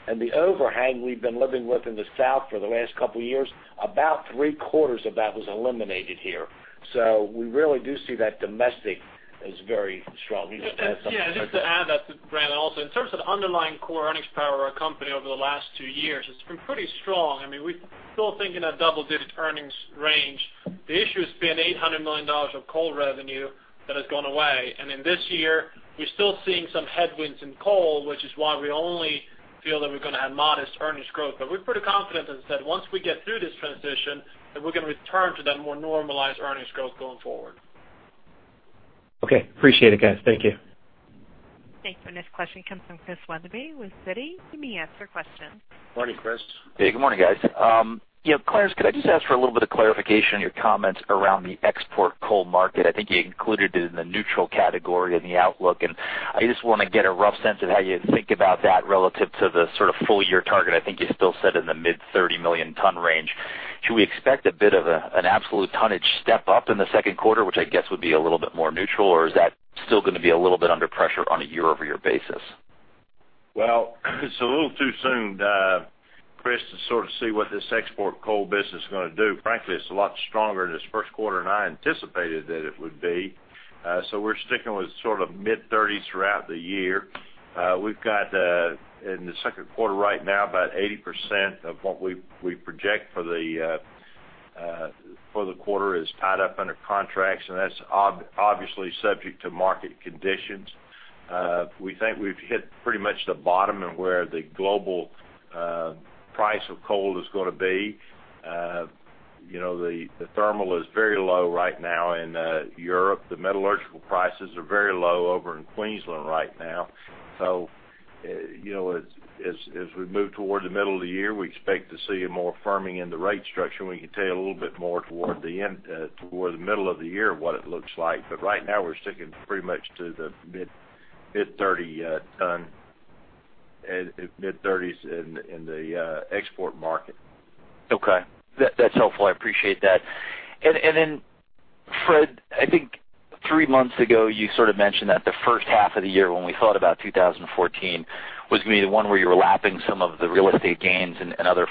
And the overhang we've been living with in the south for the last couple of years, about three-quarters of that was eliminated here. So we really do see that domestic as very strong. Yeah. Just to add that to Brandon also, in terms of the underlying core earnings power of our company over the last two years, it's been pretty strong. I mean, we're still thinking of double-digit earnings range. The issue has been $800 million of coal revenue that has gone away. And in this year, we're still seeing some headwinds in coal, which is why we only feel that we're going to have modest earnings growth. But we're pretty confident, as I said, once we get through this transition, that we're going to return to that more normalized earnings growth going forward. Okay. Appreciate it, guys. Thank you. Thank you. This question comes from Chris Wetherbee with Citi. You may ask your question. Morning, Chris. Hey. Good morning, guys. Clarence, could I just ask for a little bit of clarification on your comments around the export coal market? I think you included it in the neutral category in the outlook. I just want to get a rough sense of how you think about that relative to the sort of full-year target. I think you still said in the mid-30 million-ton range. Should we expect a bit of an absolute tonnage step up in the second quarter, which I guess would be a little bit more neutral? Or is that still going to be a little bit under pressure on a year-over-year basis? Well, it's a little too soon, Chris, to sort of see what this export coal business is going to do. Frankly, it's a lot stronger than this first quarter, and I anticipated that it would be. So we're sticking with sort of mid-30s throughout the year. We've got, in the second quarter right now, about 80% of what we project for the quarter is tied up under contracts. And that's obviously subject to market conditions. We think we've hit pretty much the bottom in where the global price of coal is going to be. The thermal is very low right now in Europe. The metallurgical prices are very low over in Queensland right now. So as we move toward the middle of the year, we expect to see more firming in the rate structure. We can tell you a little bit more toward the middle of the year what it looks like. Right now, we're sticking pretty much to the mid-$30/ton, mid-30s in the export market. Okay. That's helpful. I appreciate that. And then, Fred, I think three months ago, you sort of mentioned that the first half of the year, when we thought about 2014, was going to be the one where you were lapping some of the real estate gains and other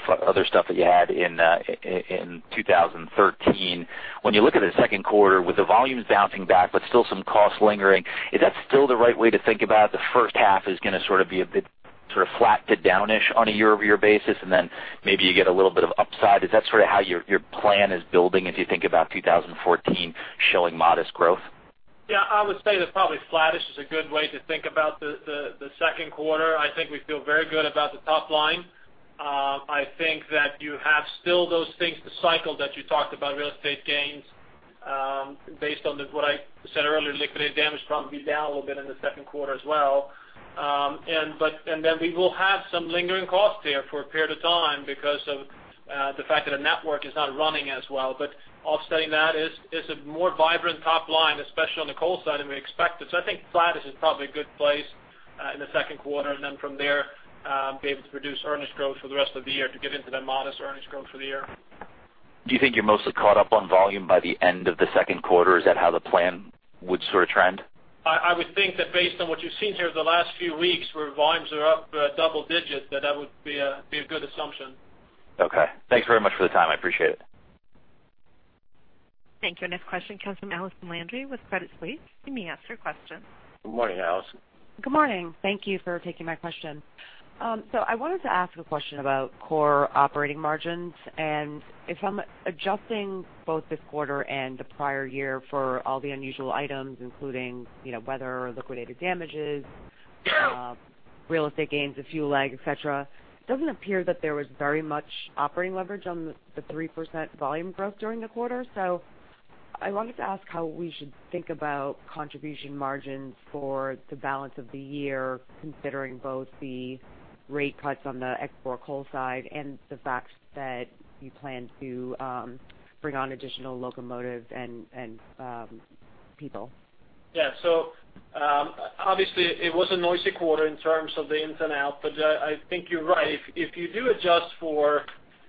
stuff that you had in 2013. When you look at the second quarter, with the volumes bouncing back but still some costs lingering, is that still the right way to think about it? The first half is going to sort of be a bit sort of flat to downish on a year-over-year basis, and then maybe you get a little bit of upside. Is that sort of how your plan is building as you think about 2014 showing modest growth? Yeah. I would say that probably flattish is a good way to think about the second quarter. I think we feel very good about the top line. I think that you have still those things, the cycle that you talked about, real estate gains. Based on what I said earlier, liquidated damage is probably down a little bit in the second quarter as well. And then we will have some lingering costs here for a period of time because of the fact that our network is not running as well. But offsetting that is a more vibrant top line, especially on the coal side. And we expect it. So I think flattish is probably a good place in the second quarter and then from there be able to produce earnings growth for the rest of the year to get into that modest earnings growth for the year. Do you think you're mostly caught up on volume by the end of the second quarter? Is that how the plan would sort of trend? I would think that based on what you've seen here over the last few weeks where volumes are up double digits, that that would be a good assumption. Okay. Thanks very much for the time. I appreciate it. Thank you. And this question comes from Allison Landry with Credit Suisse. You may ask your question. Good morning, Allison. Good morning. Thank you for taking my question. I wanted to ask a question about core operating margins. And if I'm adjusting both this quarter and the prior year for all the unusual items, including weather, liquidated damages, real estate gains, a fuel lag, etc., it doesn't appear that there was very much operating leverage on the 3% volume growth during the quarter. I wanted to ask how we should think about contribution margins for the balance of the year, considering both the rate cuts on the export coal side and the fact that you plan to bring on additional locomotives and people. Yeah. So obviously, it was a noisy quarter in terms of the ins and outs. But I think you're right. If you do adjust for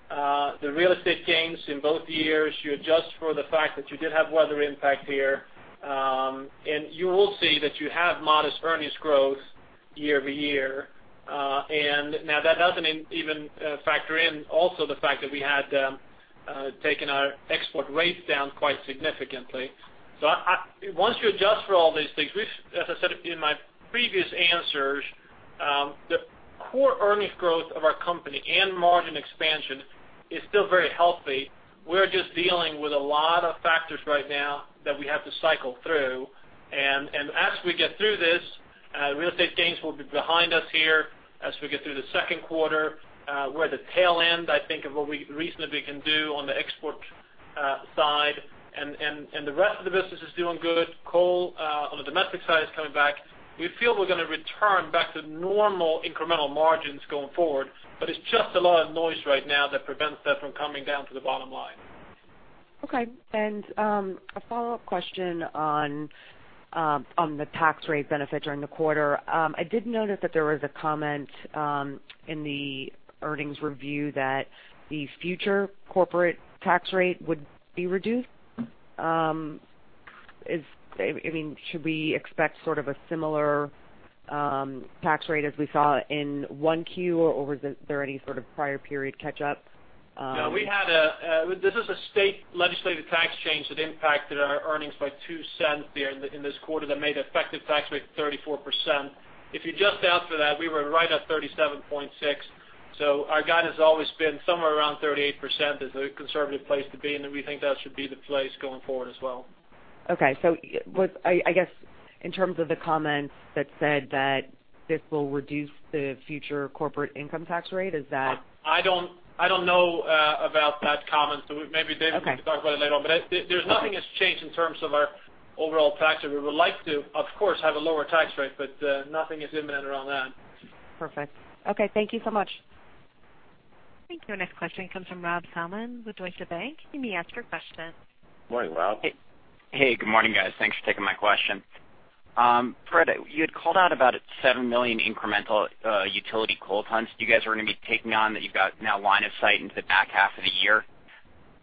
the real estate gains in both years, you adjust for the fact that you did have weather impact here, and you will see that you have modest earnings growth year-over-year. And now, that doesn't even factor in also the fact that we had taken our export rates down quite significantly. So once you adjust for all these things, as I said in my previous answers, the core earnings growth of our company and margin expansion is still very healthy. We're just dealing with a lot of factors right now that we have to cycle through. And as we get through this, real estate gains will be behind us here as we get through the second quarter. We're at the tail end, I think, of what we reasonably can do on the export side. The rest of the business is doing good. Coal on the domestic side is coming back. We feel we're going to return back to normal incremental margins going forward. But it's just a lot of noise right now that prevents that from coming down to the bottom line. Okay. A follow-up question on the tax rate benefit during the quarter. I did notice that there was a comment in the earnings review that the future corporate tax rate would be reduced. I mean, should we expect sort of a similar tax rate as we saw in 1Q? Or was there any sort of prior period catch-up? No. This is a state legislative tax change that impacted our earnings by $0.02 here in this quarter that made the effective tax rate 34%. If you adjust out for that, we were right at 37.6%. So our guide has always been somewhere around 38% is a conservative place to be. And we think that should be the place going forward as well. Okay. So I guess in terms of the comments that said that this will reduce the future corporate income tax rate, is that? I don't know about that comment. So maybe David can talk about it later on. But there's nothing that's changed in terms of our overall tax rate. We would like to, of course, have a lower tax rate, but nothing is imminent around that. Perfect. Okay. Thank you so much. Thank you. And this question comes from Rob Salmon with Deutsche Bank. You may ask your question. Morning, Rob. Hey. Good morning, guys. Thanks for taking my question. Fred, you had called out about 7 million incremental utility coal tons. Do you guys are going to be taking on that you've got now line of sight into the back half of the year?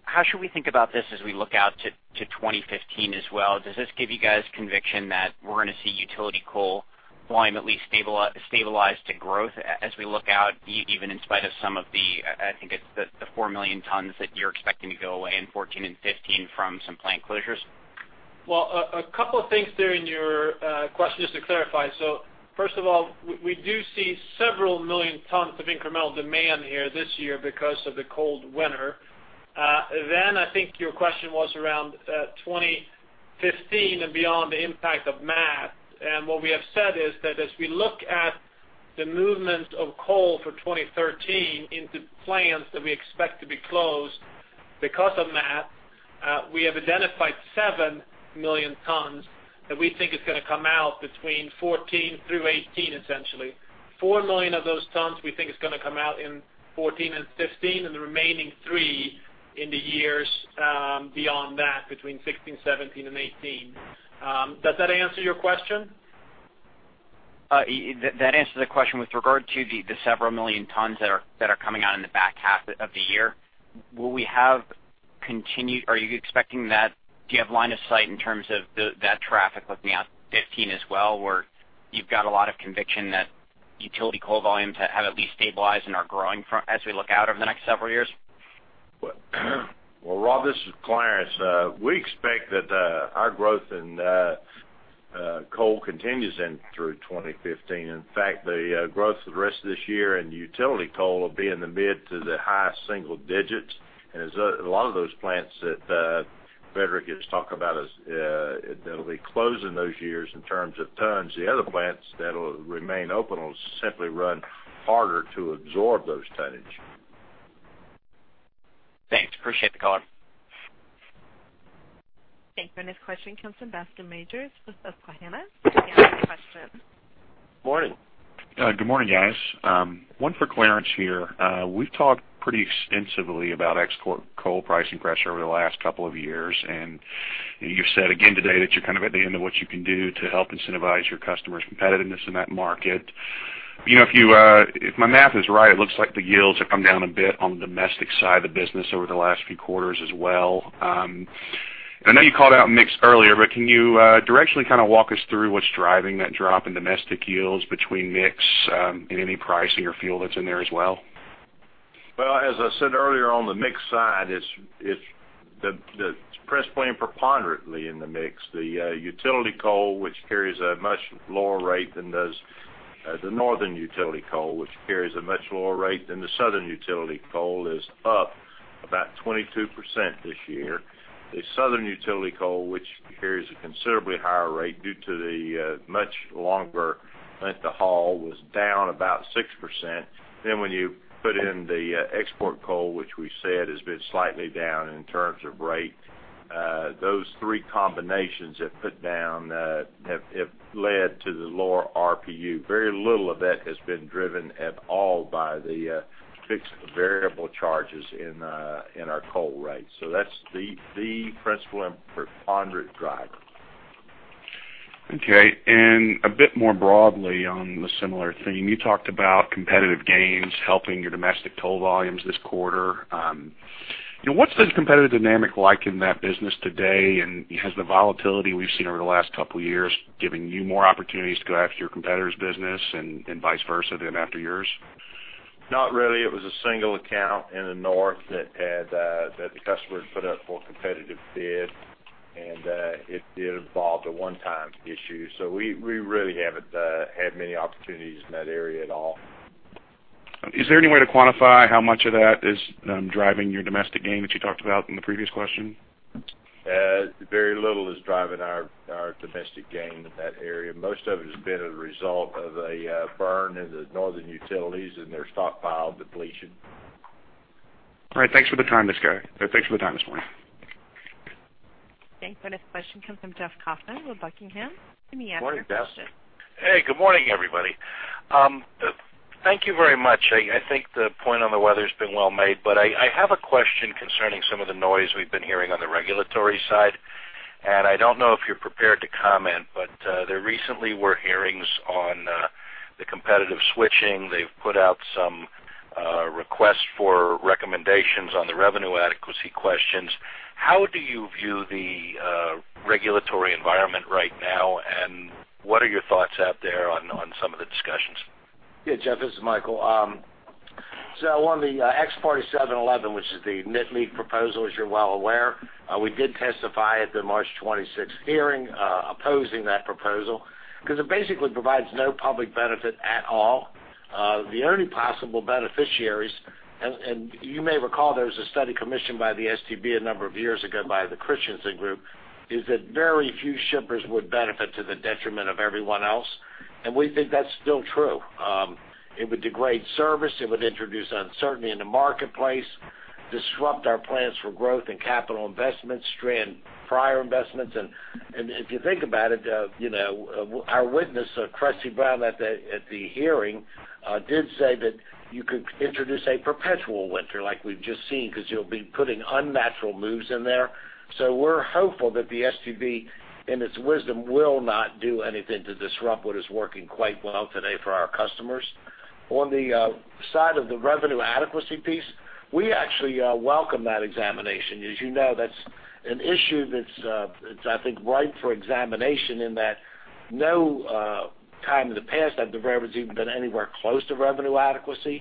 How should we think about this as we look out to 2015 as well? Does this give you guys conviction that we're going to see utility coal volume at least stabilize to growth as we look out, even in spite of some of the, I think it's the 4 million tons that you're expecting to go away in 2014 and 2015 from some plant closures? Well, a couple of things there in your question just to clarify. So first of all, we do see several million tons of incremental demand here this year because of the cold winter. Then, I think your question was around 2015 and beyond the impact of MATS. And what we have said is that as we look at the movements of coal for 2013 into plants that we expect to be closed because of MATS, we have identified 7 million tons that we think is going to come out between 2014 through 2018, essentially. 4 million of those tons, we think, is going to come out in 2014 and 2015 and the remaining 3 in the years beyond that, between 2016, 2017, and 2018. Does that answer your question? That answers the question with regard to the several million tons that are coming out in the back half of the year. Will we have continued? Are you expecting that? Do you have line of sight in terms of that traffic looking out 2015 as well, where you've got a lot of conviction that utility coal volumes have at least stabilized and are growing as we look out over the next several years? Well, Rob, this is Clarence. We expect that our growth in coal continues in through 2015. In fact, the growth for the rest of this year in utility coal will be in the mid to the high single digits. And a lot of those plants that Fredrik is talking about that'll be closed in those years in terms of tons, the other plants that'll remain open will simply run harder to absorb those tonnage. Thanks. Appreciate the call. Thank you. This question comes from Bascome Majors with Susquehanna. You may ask your question. Morning. Good morning, guys. One for Clarence here. We've talked pretty extensively about export coal pricing pressure over the last couple of years. And you've said again today that you're kind of at the end of what you can do to help incentivize your customers' competitiveness in that market. If my math is right, it looks like the yields have come down a bit on the domestic side of the business over the last few quarters as well. And I know you called out mix earlier, but can you directionally kind of walk us through what's driving that drop in domestic yields between mix and any pricing or fuel that's in there as well? Well, as I said earlier, on the mix side, it's present plainly preponderantly in the mix. The northern utility coal, which carries a much lower rate than the southern utility coal, is up about 22% this year. The southern utility coal, which carries a considerably higher rate due to the much longer length of haul, was down about 6%. Then when you put in the export coal, which we said has been slightly down in terms of rate, those three combinations have put down, have led to the lower RPU. Very little of that has been driven at all by the fixed and variable charges in our coal rate. So that's the principal and preponderant driver. Okay. And a bit more broadly on the similar theme, you talked about competitive gains helping your domestic coal volumes this quarter. What's the competitive dynamic like in that business today? And has the volatility we've seen over the last couple of years given you more opportunities to go after your competitors' business and vice versa than after yours? Not really. It was a single account in the north that the customer had put up for competitive bid. And it did involve a one-time issue. So we really haven't had many opportunities in that area at all. Is there any way to quantify how much of that is driving your domestic gain that you talked about in the previous question? Very little is driving our domestic gain in that area. Most of it has been a result of a burn in the northern utilities and their stockpile depletion. All right. Thanks for the time this morning. Thanks. This question comes from Jeff Kauffman with Buckingham. You may ask your question. Morning, Jeff. Hey. Good morning, everybody. Thank you very much. I think the point on the weather has been well made. But I have a question concerning some of the noise we've been hearing on the regulatory side. And I don't know if you're prepared to comment, but there recently were hearings on the competitive switching. They've put out some requests for recommendations on the revenue adequacy questions. How do you view the regulatory environment right now? And what are your thoughts out there on some of the discussions? Yeah, Jeff. This is Michael. So on the Ex Parte 711, which is the NIT League proposal, as you're well aware, we did testify at the March 26th hearing opposing that proposal because it basically provides no public benefit at all. The only possible beneficiaries and you may recall there was a study commissioned by the STB a number of years ago by the Christensen Group is that very few shippers would benefit to the detriment of everyone else. And we think that's still true. It would degrade service. It would introduce uncertainty in the marketplace, disrupt our plans for growth and capital investments, strand prior investments. And if you think about it, our witness, Cressie Brown, at the hearing did say that you could introduce a perpetual winter like we've just seen because you'll be putting unnatural moves in there. So we're hopeful that the STB, in its wisdom, will not do anything to disrupt what is working quite well today for our customers. On the side of the revenue adequacy piece, we actually welcome that examination. As you know, that's an issue that's, I think, ripe for examination in that no time in the past have the railroads even been anywhere close to revenue adequacy.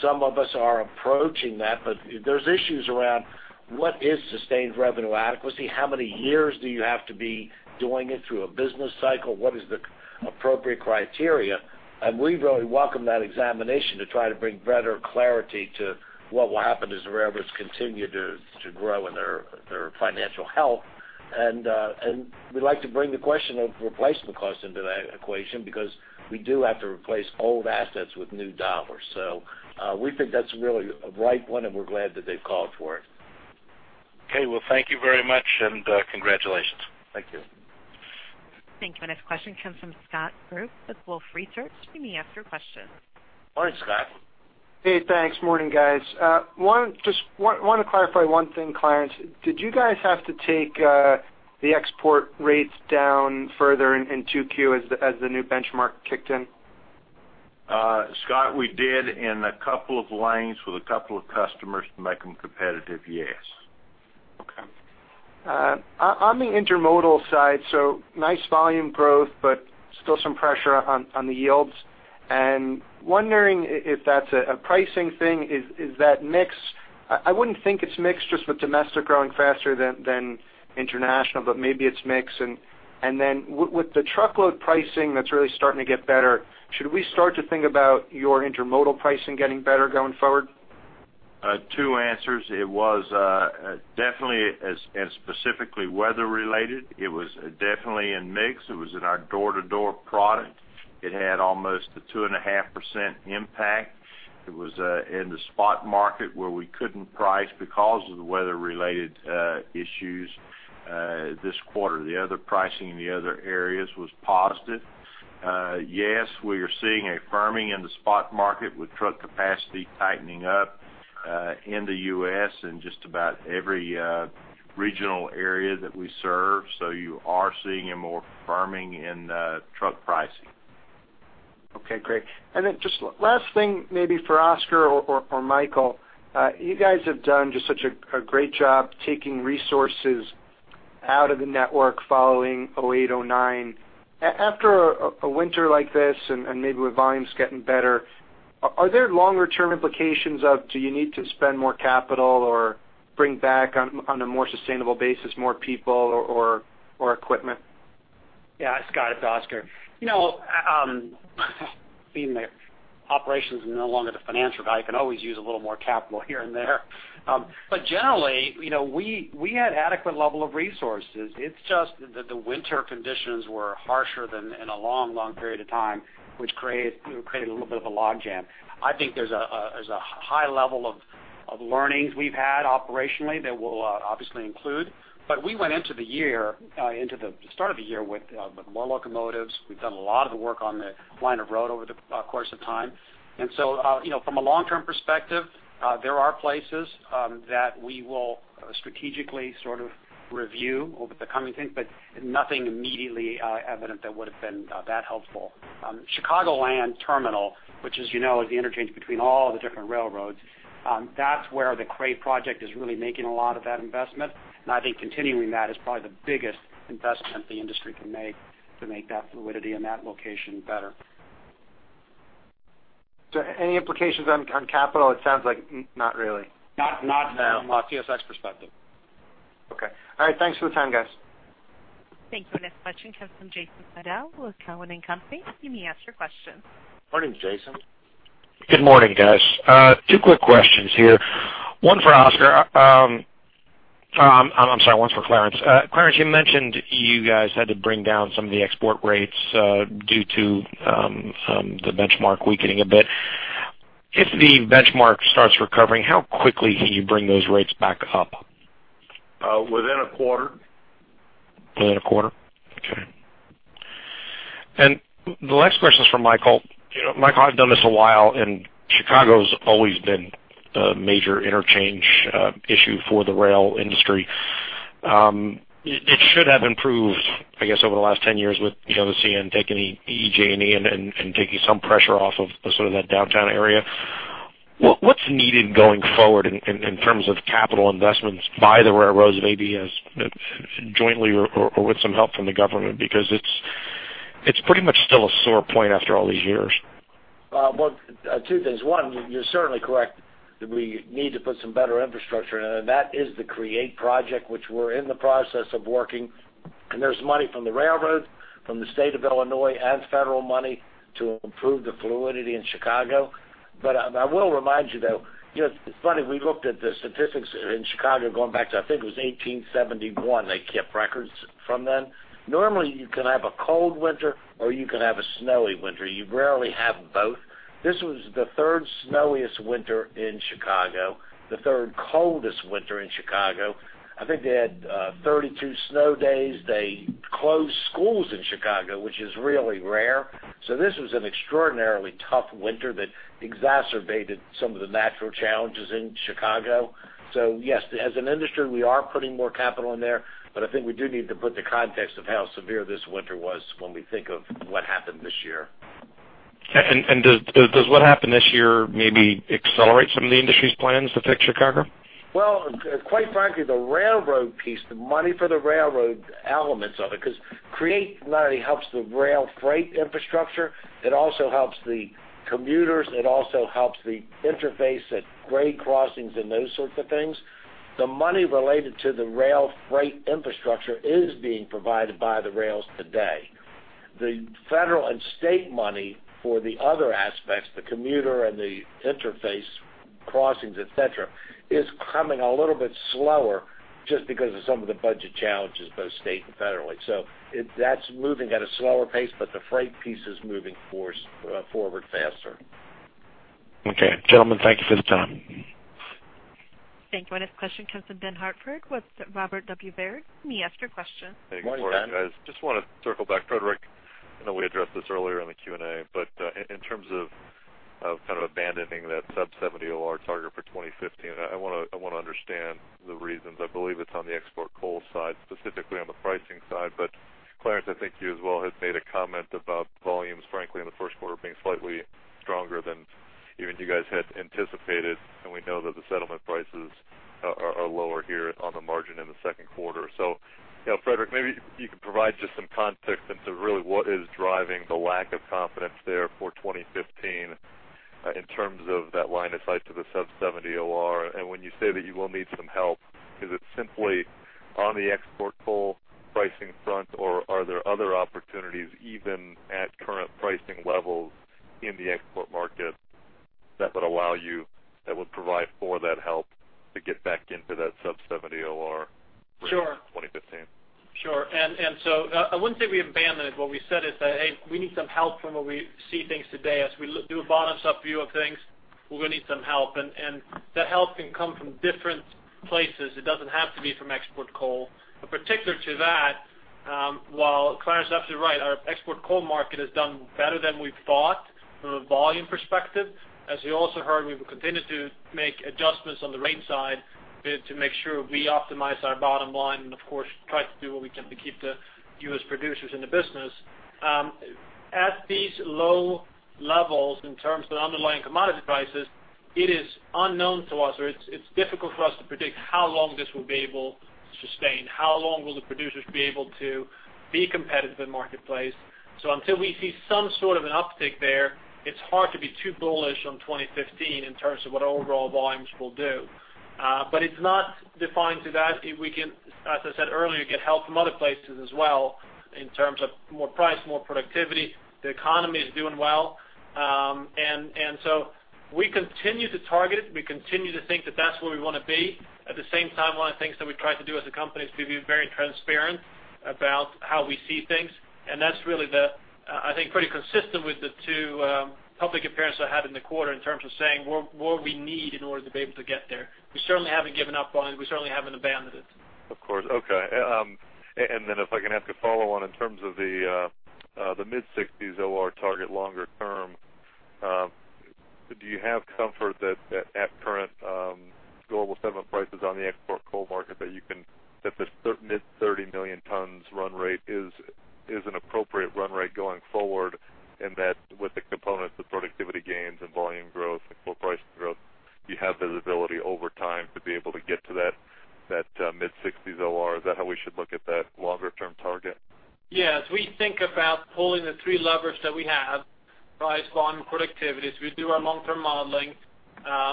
Some of us are approaching that. But there's issues around what is sustained revenue adequacy? How many years do you have to be doing it through a business cycle? What is the appropriate criteria? And we really welcome that examination to try to bring better clarity to what will happen as the railroads continue to grow in their financial health. And we'd like to bring the question of replacement costs into that equation because we do have to replace old assets with new dollars. We think that's really a ripe one. We're glad that they've called for it. Okay. Well, thank you very much. And congratulations. Thank you. Thank you. This question comes from Scott Group with Wolfe Research. You may ask your question. Morning, Scott. Hey. Thanks. Morning, guys. I want to clarify one thing, Clarence. Did you guys have to take the export rates down further in 2Q as the new benchmark kicked in? Scott, we did in a couple of lanes with a couple of customers to make them competitive. Yes. Okay. On the intermodal side, so nice volume growth but still some pressure on the yields. And wondering if that's a pricing thing, is that mix? I wouldn't think it's mix just with domestic growing faster than international. But maybe it's mix. And then with the truckload pricing that's really starting to get better, should we start to think about your intermodal pricing getting better going forward? Two answers. It was definitely and specifically weather-related. It was definitely in mix. It was in our door-to-door product. It had almost a 2.5% impact. It was in the spot market where we couldn't price because of the weather-related issues this quarter. The other pricing in the other areas was positive. Yes, we are seeing affirming in the spot market with truck capacity tightening up in the U.S. and just about every regional area that we serve. So you are seeing more firming in truck pricing. Okay. Great. And then just last thing maybe for Oscar or Michael. You guys have done just such a great job taking resources out of the network following 2008, 2009. After a winter like this and maybe with volumes getting better, are there longer-term implications of do you need to spend more capital or bring back on a more sustainable basis more people or equipment? Yeah, Scott, it's Oscar. Being that operations are no longer the financial guy, you can always use a little more capital here and there. But generally, we had adequate level of resources. It's just that the winter conditions were harsher than in a long, long period of time, which created a little bit of a logjam. I think there's a high level of learnings we've had operationally that will obviously include. But we went into the year into the start of the year with more locomotives. We've done a lot of the work on the line of road over the course of time. And so from a long-term perspective, there are places that we will strategically sort of review over the coming things. But nothing immediately evident that would have been that helpful. Chicagoland Terminal, which is the interchange between all the different railroads, that's where the CREATE project is really making a lot of that investment. I think continuing that is probably the biggest investment the industry can make to make that fluidity in that location better. Any implications on capital? It sounds like not really. Not from a CSX perspective. Okay. All right. Thanks for the time, guys. Thank you. This question comes from Jason Seidl with Cowen & Company. You may ask your question. Morning, Jason. Good morning, guys. Two quick questions here. One for Oscar. I'm sorry. One's for Clarence. Clarence, you mentioned you guys had to bring down some of the export rates due to the benchmark weakening a bit. If the benchmark starts recovering, how quickly can you bring those rates back up? Within a quarter. Within a quarter. Okay. And the last question is from Michael. Michael has done this a while. And Chicago's always been a major interchange issue for the rail industry. It should have improved, I guess, over the last 10 years with the CN taking EJ&E and taking some pressure off of sort of that downtown area. What's needed going forward in terms of capital investments by the railroads maybe jointly or with some help from the government because it's pretty much still a sore point after all these years? Well, two things. One, you're certainly correct that we need to put some better infrastructure in. And that is the CREATE project, which we're in the process of working. And there's money from the railroads, from the state of Illinois, and federal money to improve the fluidity in Chicago. But I will remind you, though it's funny. We looked at the statistics in Chicago going back to, I think it was 1871. They kept records from then. Normally, you can have a cold winter or you can have a snowy winter. You rarely have both. This was the third snowiest winter in Chicago, the third coldest winter in Chicago. I think they had 32 snow days. They closed schools in Chicago, which is really rare. So this was an extraordinarily tough winter that exacerbated some of the natural challenges in Chicago. So yes, as an industry, we are putting more capital in there. But I think we do need to put the context of how severe this winter was when we think of what happened this year. Does what happened this year maybe accelerate some of the industry's plans to fix Chicago? Well, quite frankly, the railroad piece, the money for the railroad elements of it because CREATE not only helps the rail freight infrastructure, it also helps the commuters. It also helps the interface at grade crossings and those sorts of things. The money related to the rail freight infrastructure is being provided by the rails today. The federal and state money for the other aspects, the commuter and the interface crossings, etc., is coming a little bit slower just because of some of the budget challenges, both state and federally. So that's moving at a slower pace. But the freight piece is moving forward faster. Okay. Gentlemen, thank you for the time. Thank you. This question comes from Ben Hartford with Robert W. Baird. You may ask your question. Morning, guys. Just want to circle back. Fredrik, I know we addressed this earlier in the Q&A. But in terms of kind of abandoning that sub-70 OR target for 2015, I want to understand the reasons. I believe it's on the export coal side, specifically on the pricing side. But Clarence, I think you as well had made a comment about volumes, frankly, in the first quarter being slightly stronger than even you guys had anticipated. And we know that the settlement prices are lower here on the margin in the second quarter. So Fredrik, maybe you could provide just some context into really what is driving the lack of confidence there for 2015 in terms of that line of sight to the sub-70 OR. And when you say that you will need some help, is it simply on the export coal pricing front? Or are there other opportunities even at current pricing levels in the export market that would allow you that would provide for that help to get back into that sub-70 OR risk in 2015? Sure. Sure. And so I wouldn't say we abandoned it. What we said is that, "Hey, we need some help from what we see things today." As we do a bottom-up view of things, we're going to need some help. And that help can come from different places. It doesn't have to be from export coal. But particular to that, while Clarence is absolutely right, our export coal market has done better than we thought from a volume perspective. As you also heard, we will continue to make adjustments on the rate side to make sure we optimize our bottom line and, of course, try to do what we can to keep the U.S. producers in the business. At these low levels in terms of the underlying commodity prices, it is unknown to us or it's difficult for us to predict how long this will be able to sustain, how long will the producers be able to be competitive in the marketplace? So until we see some sort of an uptick there, it's hard to be too bullish on 2015 in terms of what overall volumes will do. But it's not confined to that. As I said earlier, we get help from other places as well in terms of more price, more productivity. The economy is doing well. And so we continue to target it. We continue to think that that's where we want to be. At the same time, one of the things that we try to do as a company is to be very transparent about how we see things. That's really, I think, pretty consistent with the two public appearances I had in the quarter in terms of saying what we need in order to be able to get there. We certainly haven't given up on it. We certainly haven't abandoned it. Of course. Okay. And then if I can ask a follow-on in terms of the mid-60s OR target longer term, do you have comfort that at current global settlement prices on the export coal market that this mid-30 million tons run rate is an appropriate run rate going forward and that with the components of productivity gains and volume growth and coal pricing growth, you have visibility over time to be able to get to that mid-60s OR? Is that how we should look at that longer-term target? Yes. We think about pulling the three levers that we have: price, volume, productivity. As we do our long-term modeling,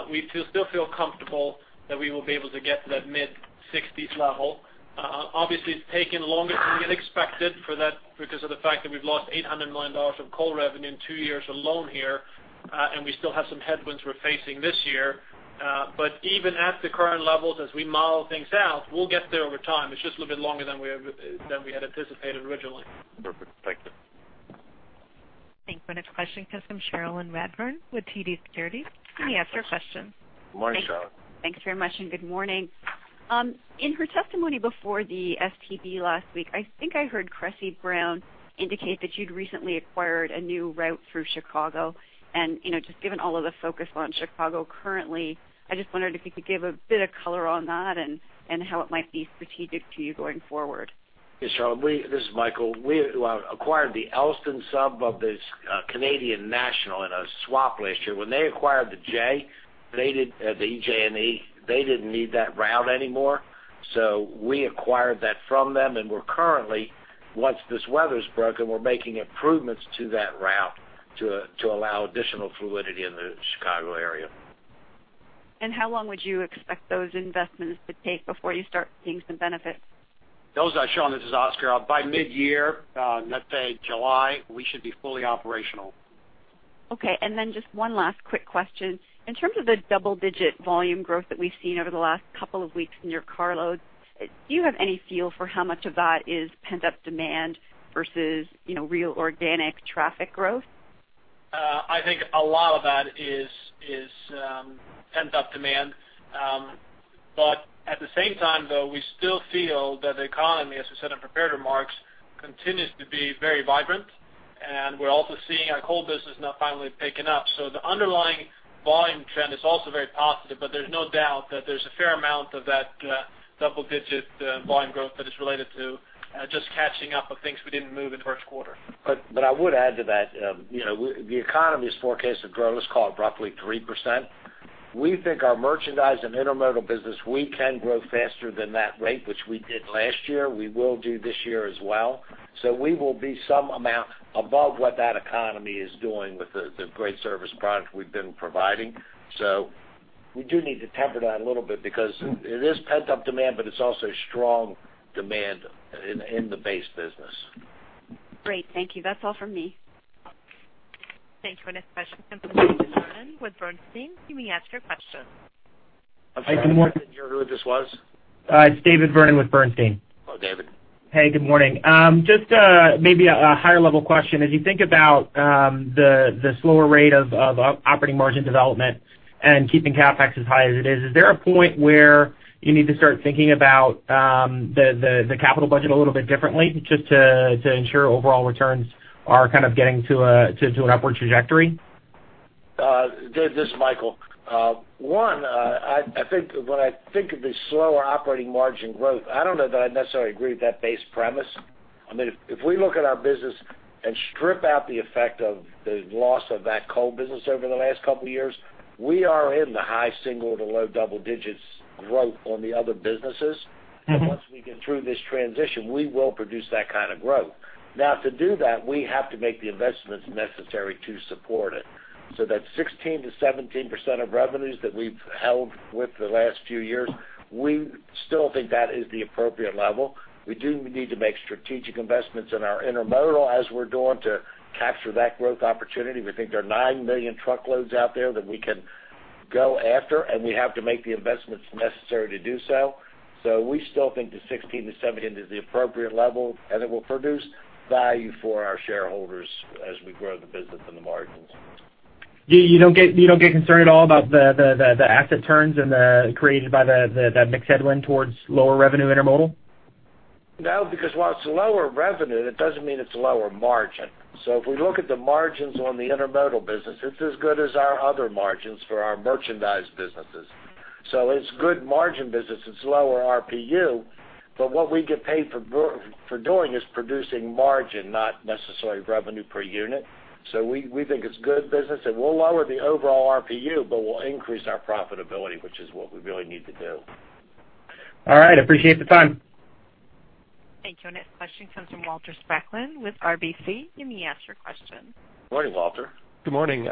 we still feel comfortable that we will be able to get to that mid-60s level. Obviously, it's taken longer than we had expected because of the fact that we've lost $800 million of coal revenue in two years alone here. And we still have some headwinds we're facing this year. But even at the current levels, as we model things out, we'll get there over time. It's just a little bit longer than we had anticipated originally. Perfect. Thank you. Thank you. This question comes from Cherilyn Radbourne with TD Securities. You may ask your question. Morning, Scott. Thanks very much. Good morning. In her testimony before the STB last week, I think I heard Cressie Brown indicate that you'd recently acquired a new route through Chicago. Just given all of the focus on Chicago currently, I just wondered if you could give a bit of color on that and how it might be strategic to you going forward. Yeah, Cherilyn. This is Michael. We acquired the Elsdon Sub of the Canadian National in a swap last year. When they acquired the J, the EJ&E, they didn't need that route anymore. So we acquired that from them. And we're currently, once this weather's broken, we're making improvements to that route to allow additional fluidity in the Chicago area. How long would you expect those investments to take before you start seeing some benefits? No, Sean, this is Oscar. By mid-year, let's say July, we should be fully operational. Okay. And then just one last quick question. In terms of the double-digit volume growth that we've seen over the last couple of weeks in your carloads, do you have any feel for how much of that is pent-up demand versus real organic traffic growth? I think a lot of that is pent-up demand. But at the same time, though, we still feel that the economy, as we said in prepared remarks, continues to be very vibrant. And we're also seeing our coal business now finally picking up. So the underlying volume trend is also very positive. But there's no doubt that there's a fair amount of that double-digit volume growth that is related to just catching up with things we didn't move in the first quarter. But I would add to that. The economy is forecast to grow, let's call it, roughly 3%. We think our merchandise and intermodal business, we can grow faster than that rate, which we did last year. We will do this year as well. So we will be some amount above what that economy is doing with the great service product we've been providing. So we do need to temper that a little bit because it is pent-up demand, but it's also strong demand in the base business. Great. Thank you. That's all from me. Thank you. This question comes from David Vernon with Bernstein. You may ask your question. Hey, good morning. David, you heard who this was? It's David Vernon with Bernstein. Oh, David. Hey, good morning. Just maybe a higher-level question. As you think about the slower rate of operating margin development and keeping CapEx as high as it is, is there a point where you need to start thinking about the capital budget a little bit differently just to ensure overall returns are kind of getting to an upward trajectory? This is Michael. One, when I think of the slower operating margin growth, I don't know that I necessarily agree with that base premise. I mean, if we look at our business and strip out the effect of the loss of that coal business over the last couple of years, we are in the high single- to low double-digit growth on the other businesses. And once we get through this transition, we will produce that kind of growth. Now, to do that, we have to make the investments necessary to support it. So that 16%-17% of revenues that we've held with the last few years, we still think that is the appropriate level. We do need to make strategic investments in our intermodal as we're doing to capture that growth opportunity. We think there are 9 million truckloads out there that we can go after. We have to make the investments necessary to do so. We still think the 16-17 is the appropriate level. It will produce value for our shareholders as we grow the business and the margins. You don't get concerned at all about the asset turns created by that mixed headwind towards lower revenue intermodal? No, because while it's lower revenue, it doesn't mean it's a lower margin. So if we look at the margins on the intermodal business, it's as good as our other margins for our merchandise businesses. So it's good margin business. It's lower RPU. But what we get paid for doing is producing margin, not necessarily revenue per unit. So we think it's good business. It will lower the overall RPU, but will increase our profitability, which is what we really need to do. All right. Appreciate the time. Thank you. And this question comes from Walter Spracklin with RBC. You may ask your question. Morning, Walter. Good morning.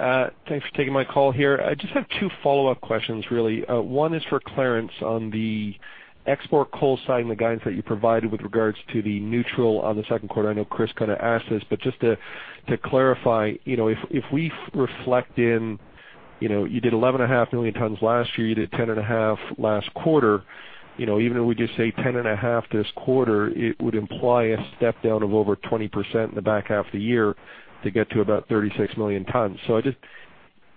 Thanks for taking my call here. I just have two follow-up questions, really. One is for Clarence on the export coal side and the guidance that you provided with regards to the neutral on the second quarter. I know Chris kind of asked this. But just to clarify, if we reflect, you did 11.5 million tons last year. You did 10.5 million tons last quarter. Even if we just say 10.5 million tons this quarter, it would imply a step down of over 20% in the back half of the year to get to about 36 million tons. So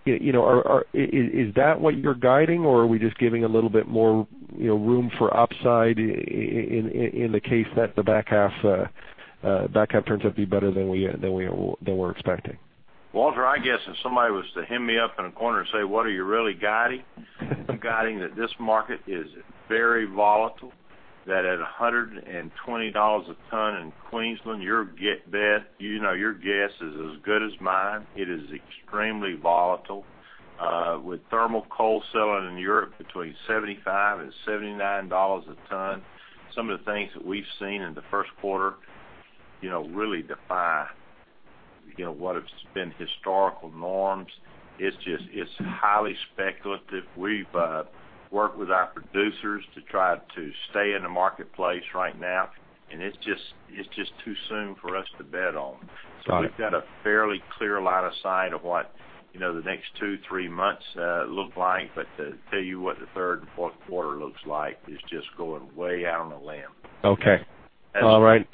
is that what you're guiding? Or are we just giving a little bit more room for upside in the case that the back half turns out to be better than we were expecting? Walter, I guess if somebody was to hem me up in a corner and say, "What are you really guiding?" I'm guiding that this market is very volatile, that at $120 a ton in Queensland, your guess is as good as mine. It is extremely volatile. With thermal coal selling in Europe between $75 and $79 a ton, some of the things that we've seen in the first quarter really defy what have been historical norms. It's highly speculative. We've worked with our producers to try to stay in the marketplace right now. And it's just too soon for us to bet on. So we've got a fairly clear line of sight of what the next two, three months look like. But to tell you what the third and fourth quarter looks like is just going way out on a limb. Okay. All right.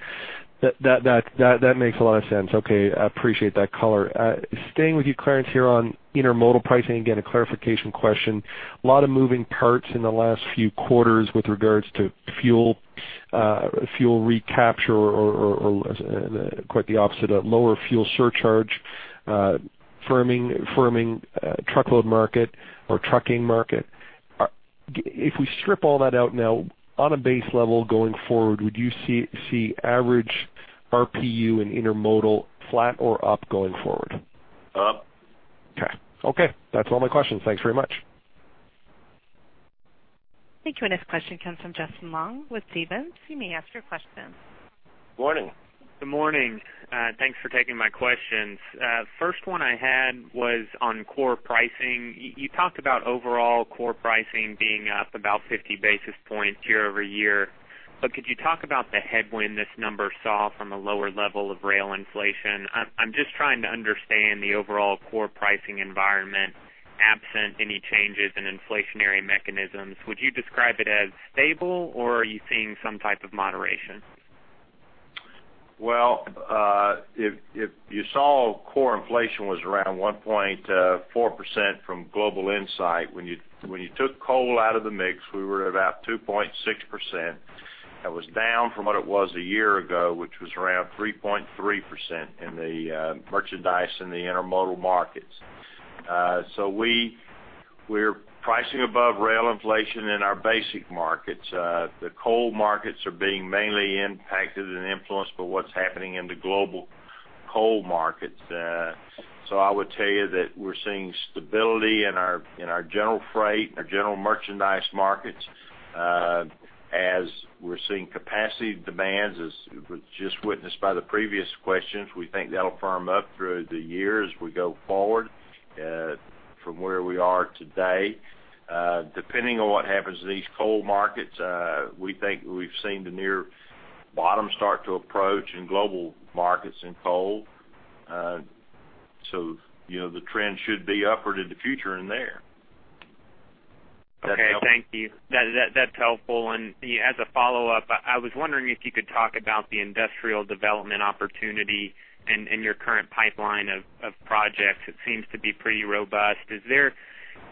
That makes a lot of sense. Okay. I appreciate that color. Staying with you, Clarence, here on intermodal pricing. Again, a clarification question. A lot of moving parts in the last few quarters with regards to fuel recapture or quite the opposite, a lower fuel surcharge, firming truckload market or trucking market. If we strip all that out now, on a base level going forward, would you see average RPU in intermodal flat or up going forward? Up. Okay. Okay. That's all my questions. Thanks very much. Thank you. This question comes from Justin Long with Stephens. You may ask your question. Good morning. Good morning. Thanks for taking my questions. First one I had was on core pricing. You talked about overall core pricing being up about 50 basis points year-over-year. But could you talk about the headwind this number saw from a lower level of rail inflation? I'm just trying to understand the overall core pricing environment, absent any changes in inflationary mechanisms. Would you describe it as stable? Or are you seeing some type of moderation? Well, if you saw core inflation was around 1.4% from Global Insight, when you took coal out of the mix, we were at about 2.6%. That was down from what it was a year ago, which was around 3.3% in the merchandise and the intermodal markets. So we're pricing above rail inflation in our basic markets. The coal markets are being mainly impacted and influenced by what's happening in the global coal markets. So I would tell you that we're seeing stability in our general freight and our general merchandise markets as we're seeing capacity demands, as was just witnessed by the previous questions. We think that'll firm up through the years as we go forward from where we are today. Depending on what happens in these coal markets, we think we've seen the near bottom start to approach in global markets in coal. The trend should be upward in the future in there. That's helpful. Okay. Thank you. That's helpful. And as a follow-up, I was wondering if you could talk about the industrial development opportunity and your current pipeline of projects. It seems to be pretty robust. Is there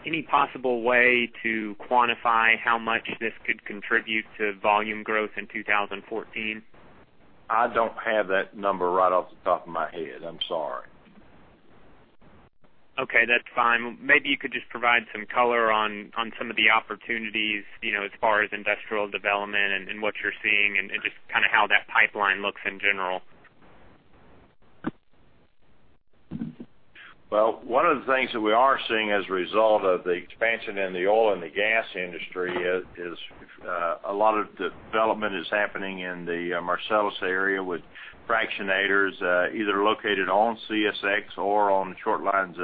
any possible way to quantify how much this could contribute to volume growth in 2014? I don't have that number right off the top of my head. I'm sorry. Okay. That's fine. Maybe you could just provide some color on some of the opportunities as far as industrial development and what you're seeing and just kind of how that pipeline looks in general. Well, one of the things that we are seeing as a result of the expansion in the oil and the gas industry is a lot of development is happening in the Marcellus area with fractionators either located on CSX or on short lines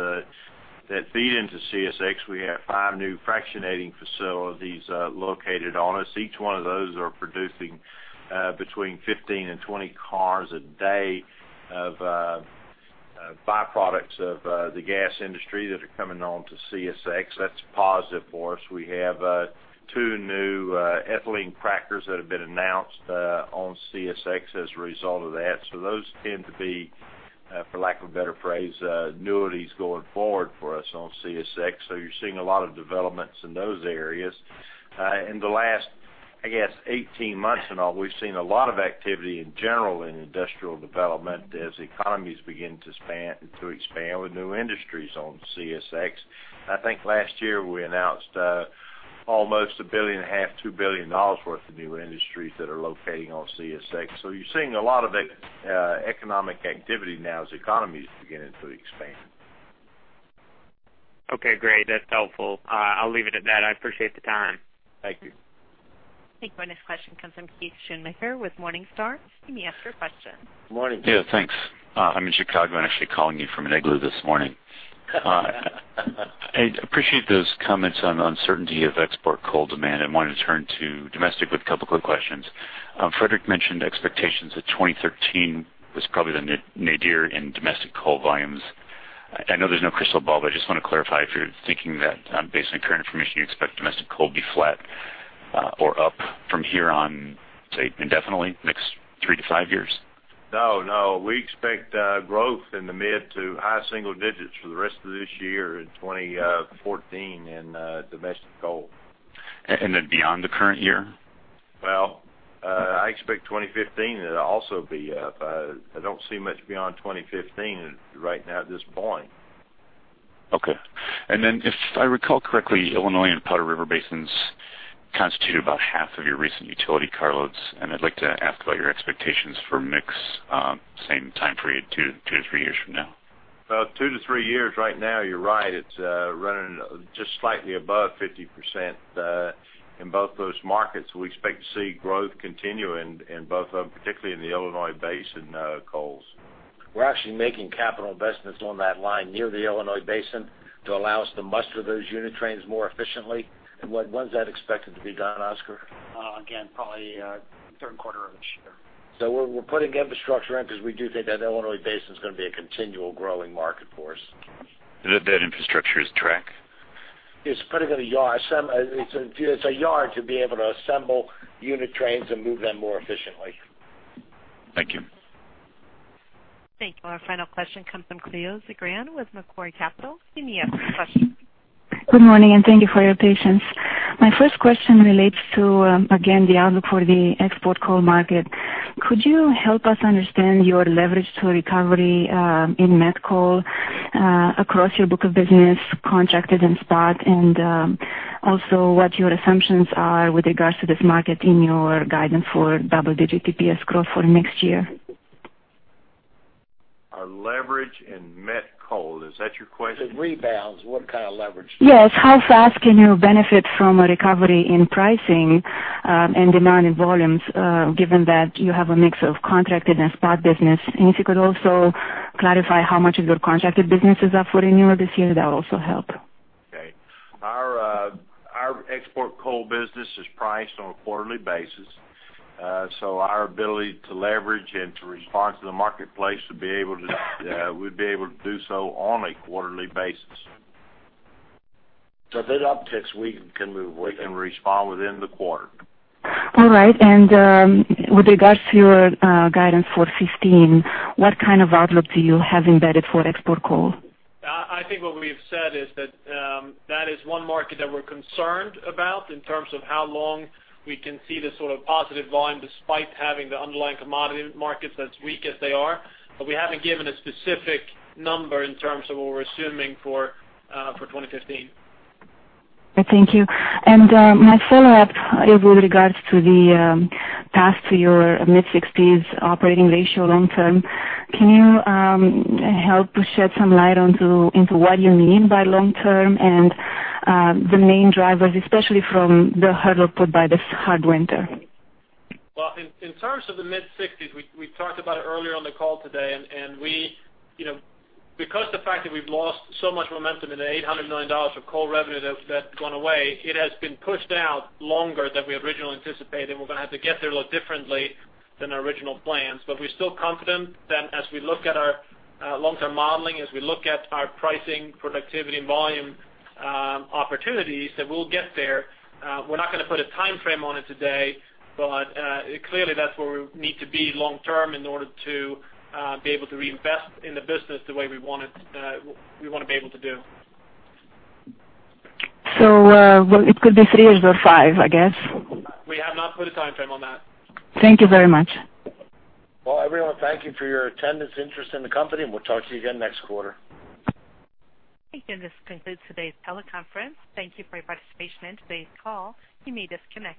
that feed into CSX. We have 5 new fractionating facilities located on us. Each one of those are producing between 15 and 20 cars a day of byproducts of the gas industry that are coming on to CSX. That's positive for us. We have 2 new ethylene crackers that have been announced on CSX as a result of that. So those tend to be, for lack of a better phrase, annuities going forward for us on CSX. So you're seeing a lot of developments in those areas. In the last, I guess, 18 months and all, we've seen a lot of activity in general in industrial development as economies begin to expand with new industries on CSX. I think last year, we announced almost $1.5 billion-$2 billion worth of new industries that are located on CSX. So you're seeing a lot of economic activity now as economies beginning to expand. Okay. Great. That's helpful. I'll leave it at that. I appreciate the time. Thank you. Thank you. This question comes from Keith Schoonmaker with Morningstar. You may ask your question. Morning, Keith. Yeah. Thanks. I'm in Chicago. I'm actually calling you from an igloo this morning. I appreciate those comments on uncertainty of export coal demand. I wanted to turn to domestic with a couple of quick questions. Fredrik mentioned expectations that 2013 was probably the nadir in domestic coal volumes. I know there's no crystal ball, but I just want to clarify if you're thinking that, based on current information, you expect domestic coal to be flat or up from here on, say, indefinitely, next 3-5 years? No, no. We expect growth in the mid to high single digits for the rest of this year in 2014 in domestic coal. And then beyond the current year? Well, I expect 2015 to also be up. I don't see much beyond 2015 right now at this point. Okay. And then, if I recall correctly, Illinois and Powder River Basins constitute about half of your recent utility carloads. And I'd like to ask about your expectations for mix, same time period, 2-3 years from now. Well, 2-3 years right now, you're right. It's running just slightly above 50% in both those markets. We expect to see growth continue in both of them, particularly in the Illinois Basin coals. We're actually making capital investments on that line near the Illinois Basin to allow us to muster those unit trains more efficiently. And when's that expected to be done, Oscar? Again, probably third quarter of this year. So we're putting infrastructure in because we do think that Illinois Basin is going to be a continual growing market for us. That infrastructure is track? It's putting in a yard. It's a yard to be able to assemble unit trains and move them more efficiently. Thank you. Thank you. Our final question comes from Cleo Zagrean with Macquarie Capital. You may ask your question. Good morning. Thank you for your patience. My first question relates to, again, the outlook for the export coal market. Could you help us understand your leverage to recovery in met coal across your book of business, contracted and spot, and also what your assumptions are with regards to this market in your guidance for double-digit EPS growth for next year? Our leverage in met coal, is that your question? The rebounds. What kind of leverage? Yes. How fast can you benefit from a recovery in pricing and demand in volumes given that you have a mix of contracted and spot business? And if you could also clarify how much of your contracted business is up for renewal this year, that would also help. Okay. Our export coal business is priced on a quarterly basis. So our ability to leverage and to respond to the marketplace would be able to we'd be able to do so on a quarterly basis. But that upticks, we can move with it. We can respond within the quarter. All right. And with regards to your guidance for 2015, what kind of outlook do you have embedded for export coal? I think what we've said is that that is one market that we're concerned about in terms of how long we can see this sort of positive volume despite having the underlying commodity markets as weak as they are. But we haven't given a specific number in terms of what we're assuming for 2015. Thank you. My follow-up is with regards to the path to your mid-60s operating ratio long term. Can you help shed some light into what you mean by long term and the main drivers, especially from the hurdle put by this hard winter? Well, in terms of the mid-60s, we talked about it earlier on the call today. Because of the fact that we've lost so much momentum in the $800 million of coal revenue that's gone away, it has been pushed out longer than we originally anticipated. And we're going to have to get there a little differently than our original plans. But we're still confident that as we look at our long-term modeling, as we look at our pricing, productivity, and volume opportunities, that we'll get there. We're not going to put a time frame on it today. But clearly, that's where we need to be long term in order to be able to reinvest in the business the way we want to be able to do. So it could be three years or five, I guess? We have not put a time frame on that. Thank you very much. Well, everyone, thank you for your attendance, interest in the company. And we'll talk to you again next quarter. Thank you. This concludes today's teleconference. Thank you for your participation in today's call. You may disconnect.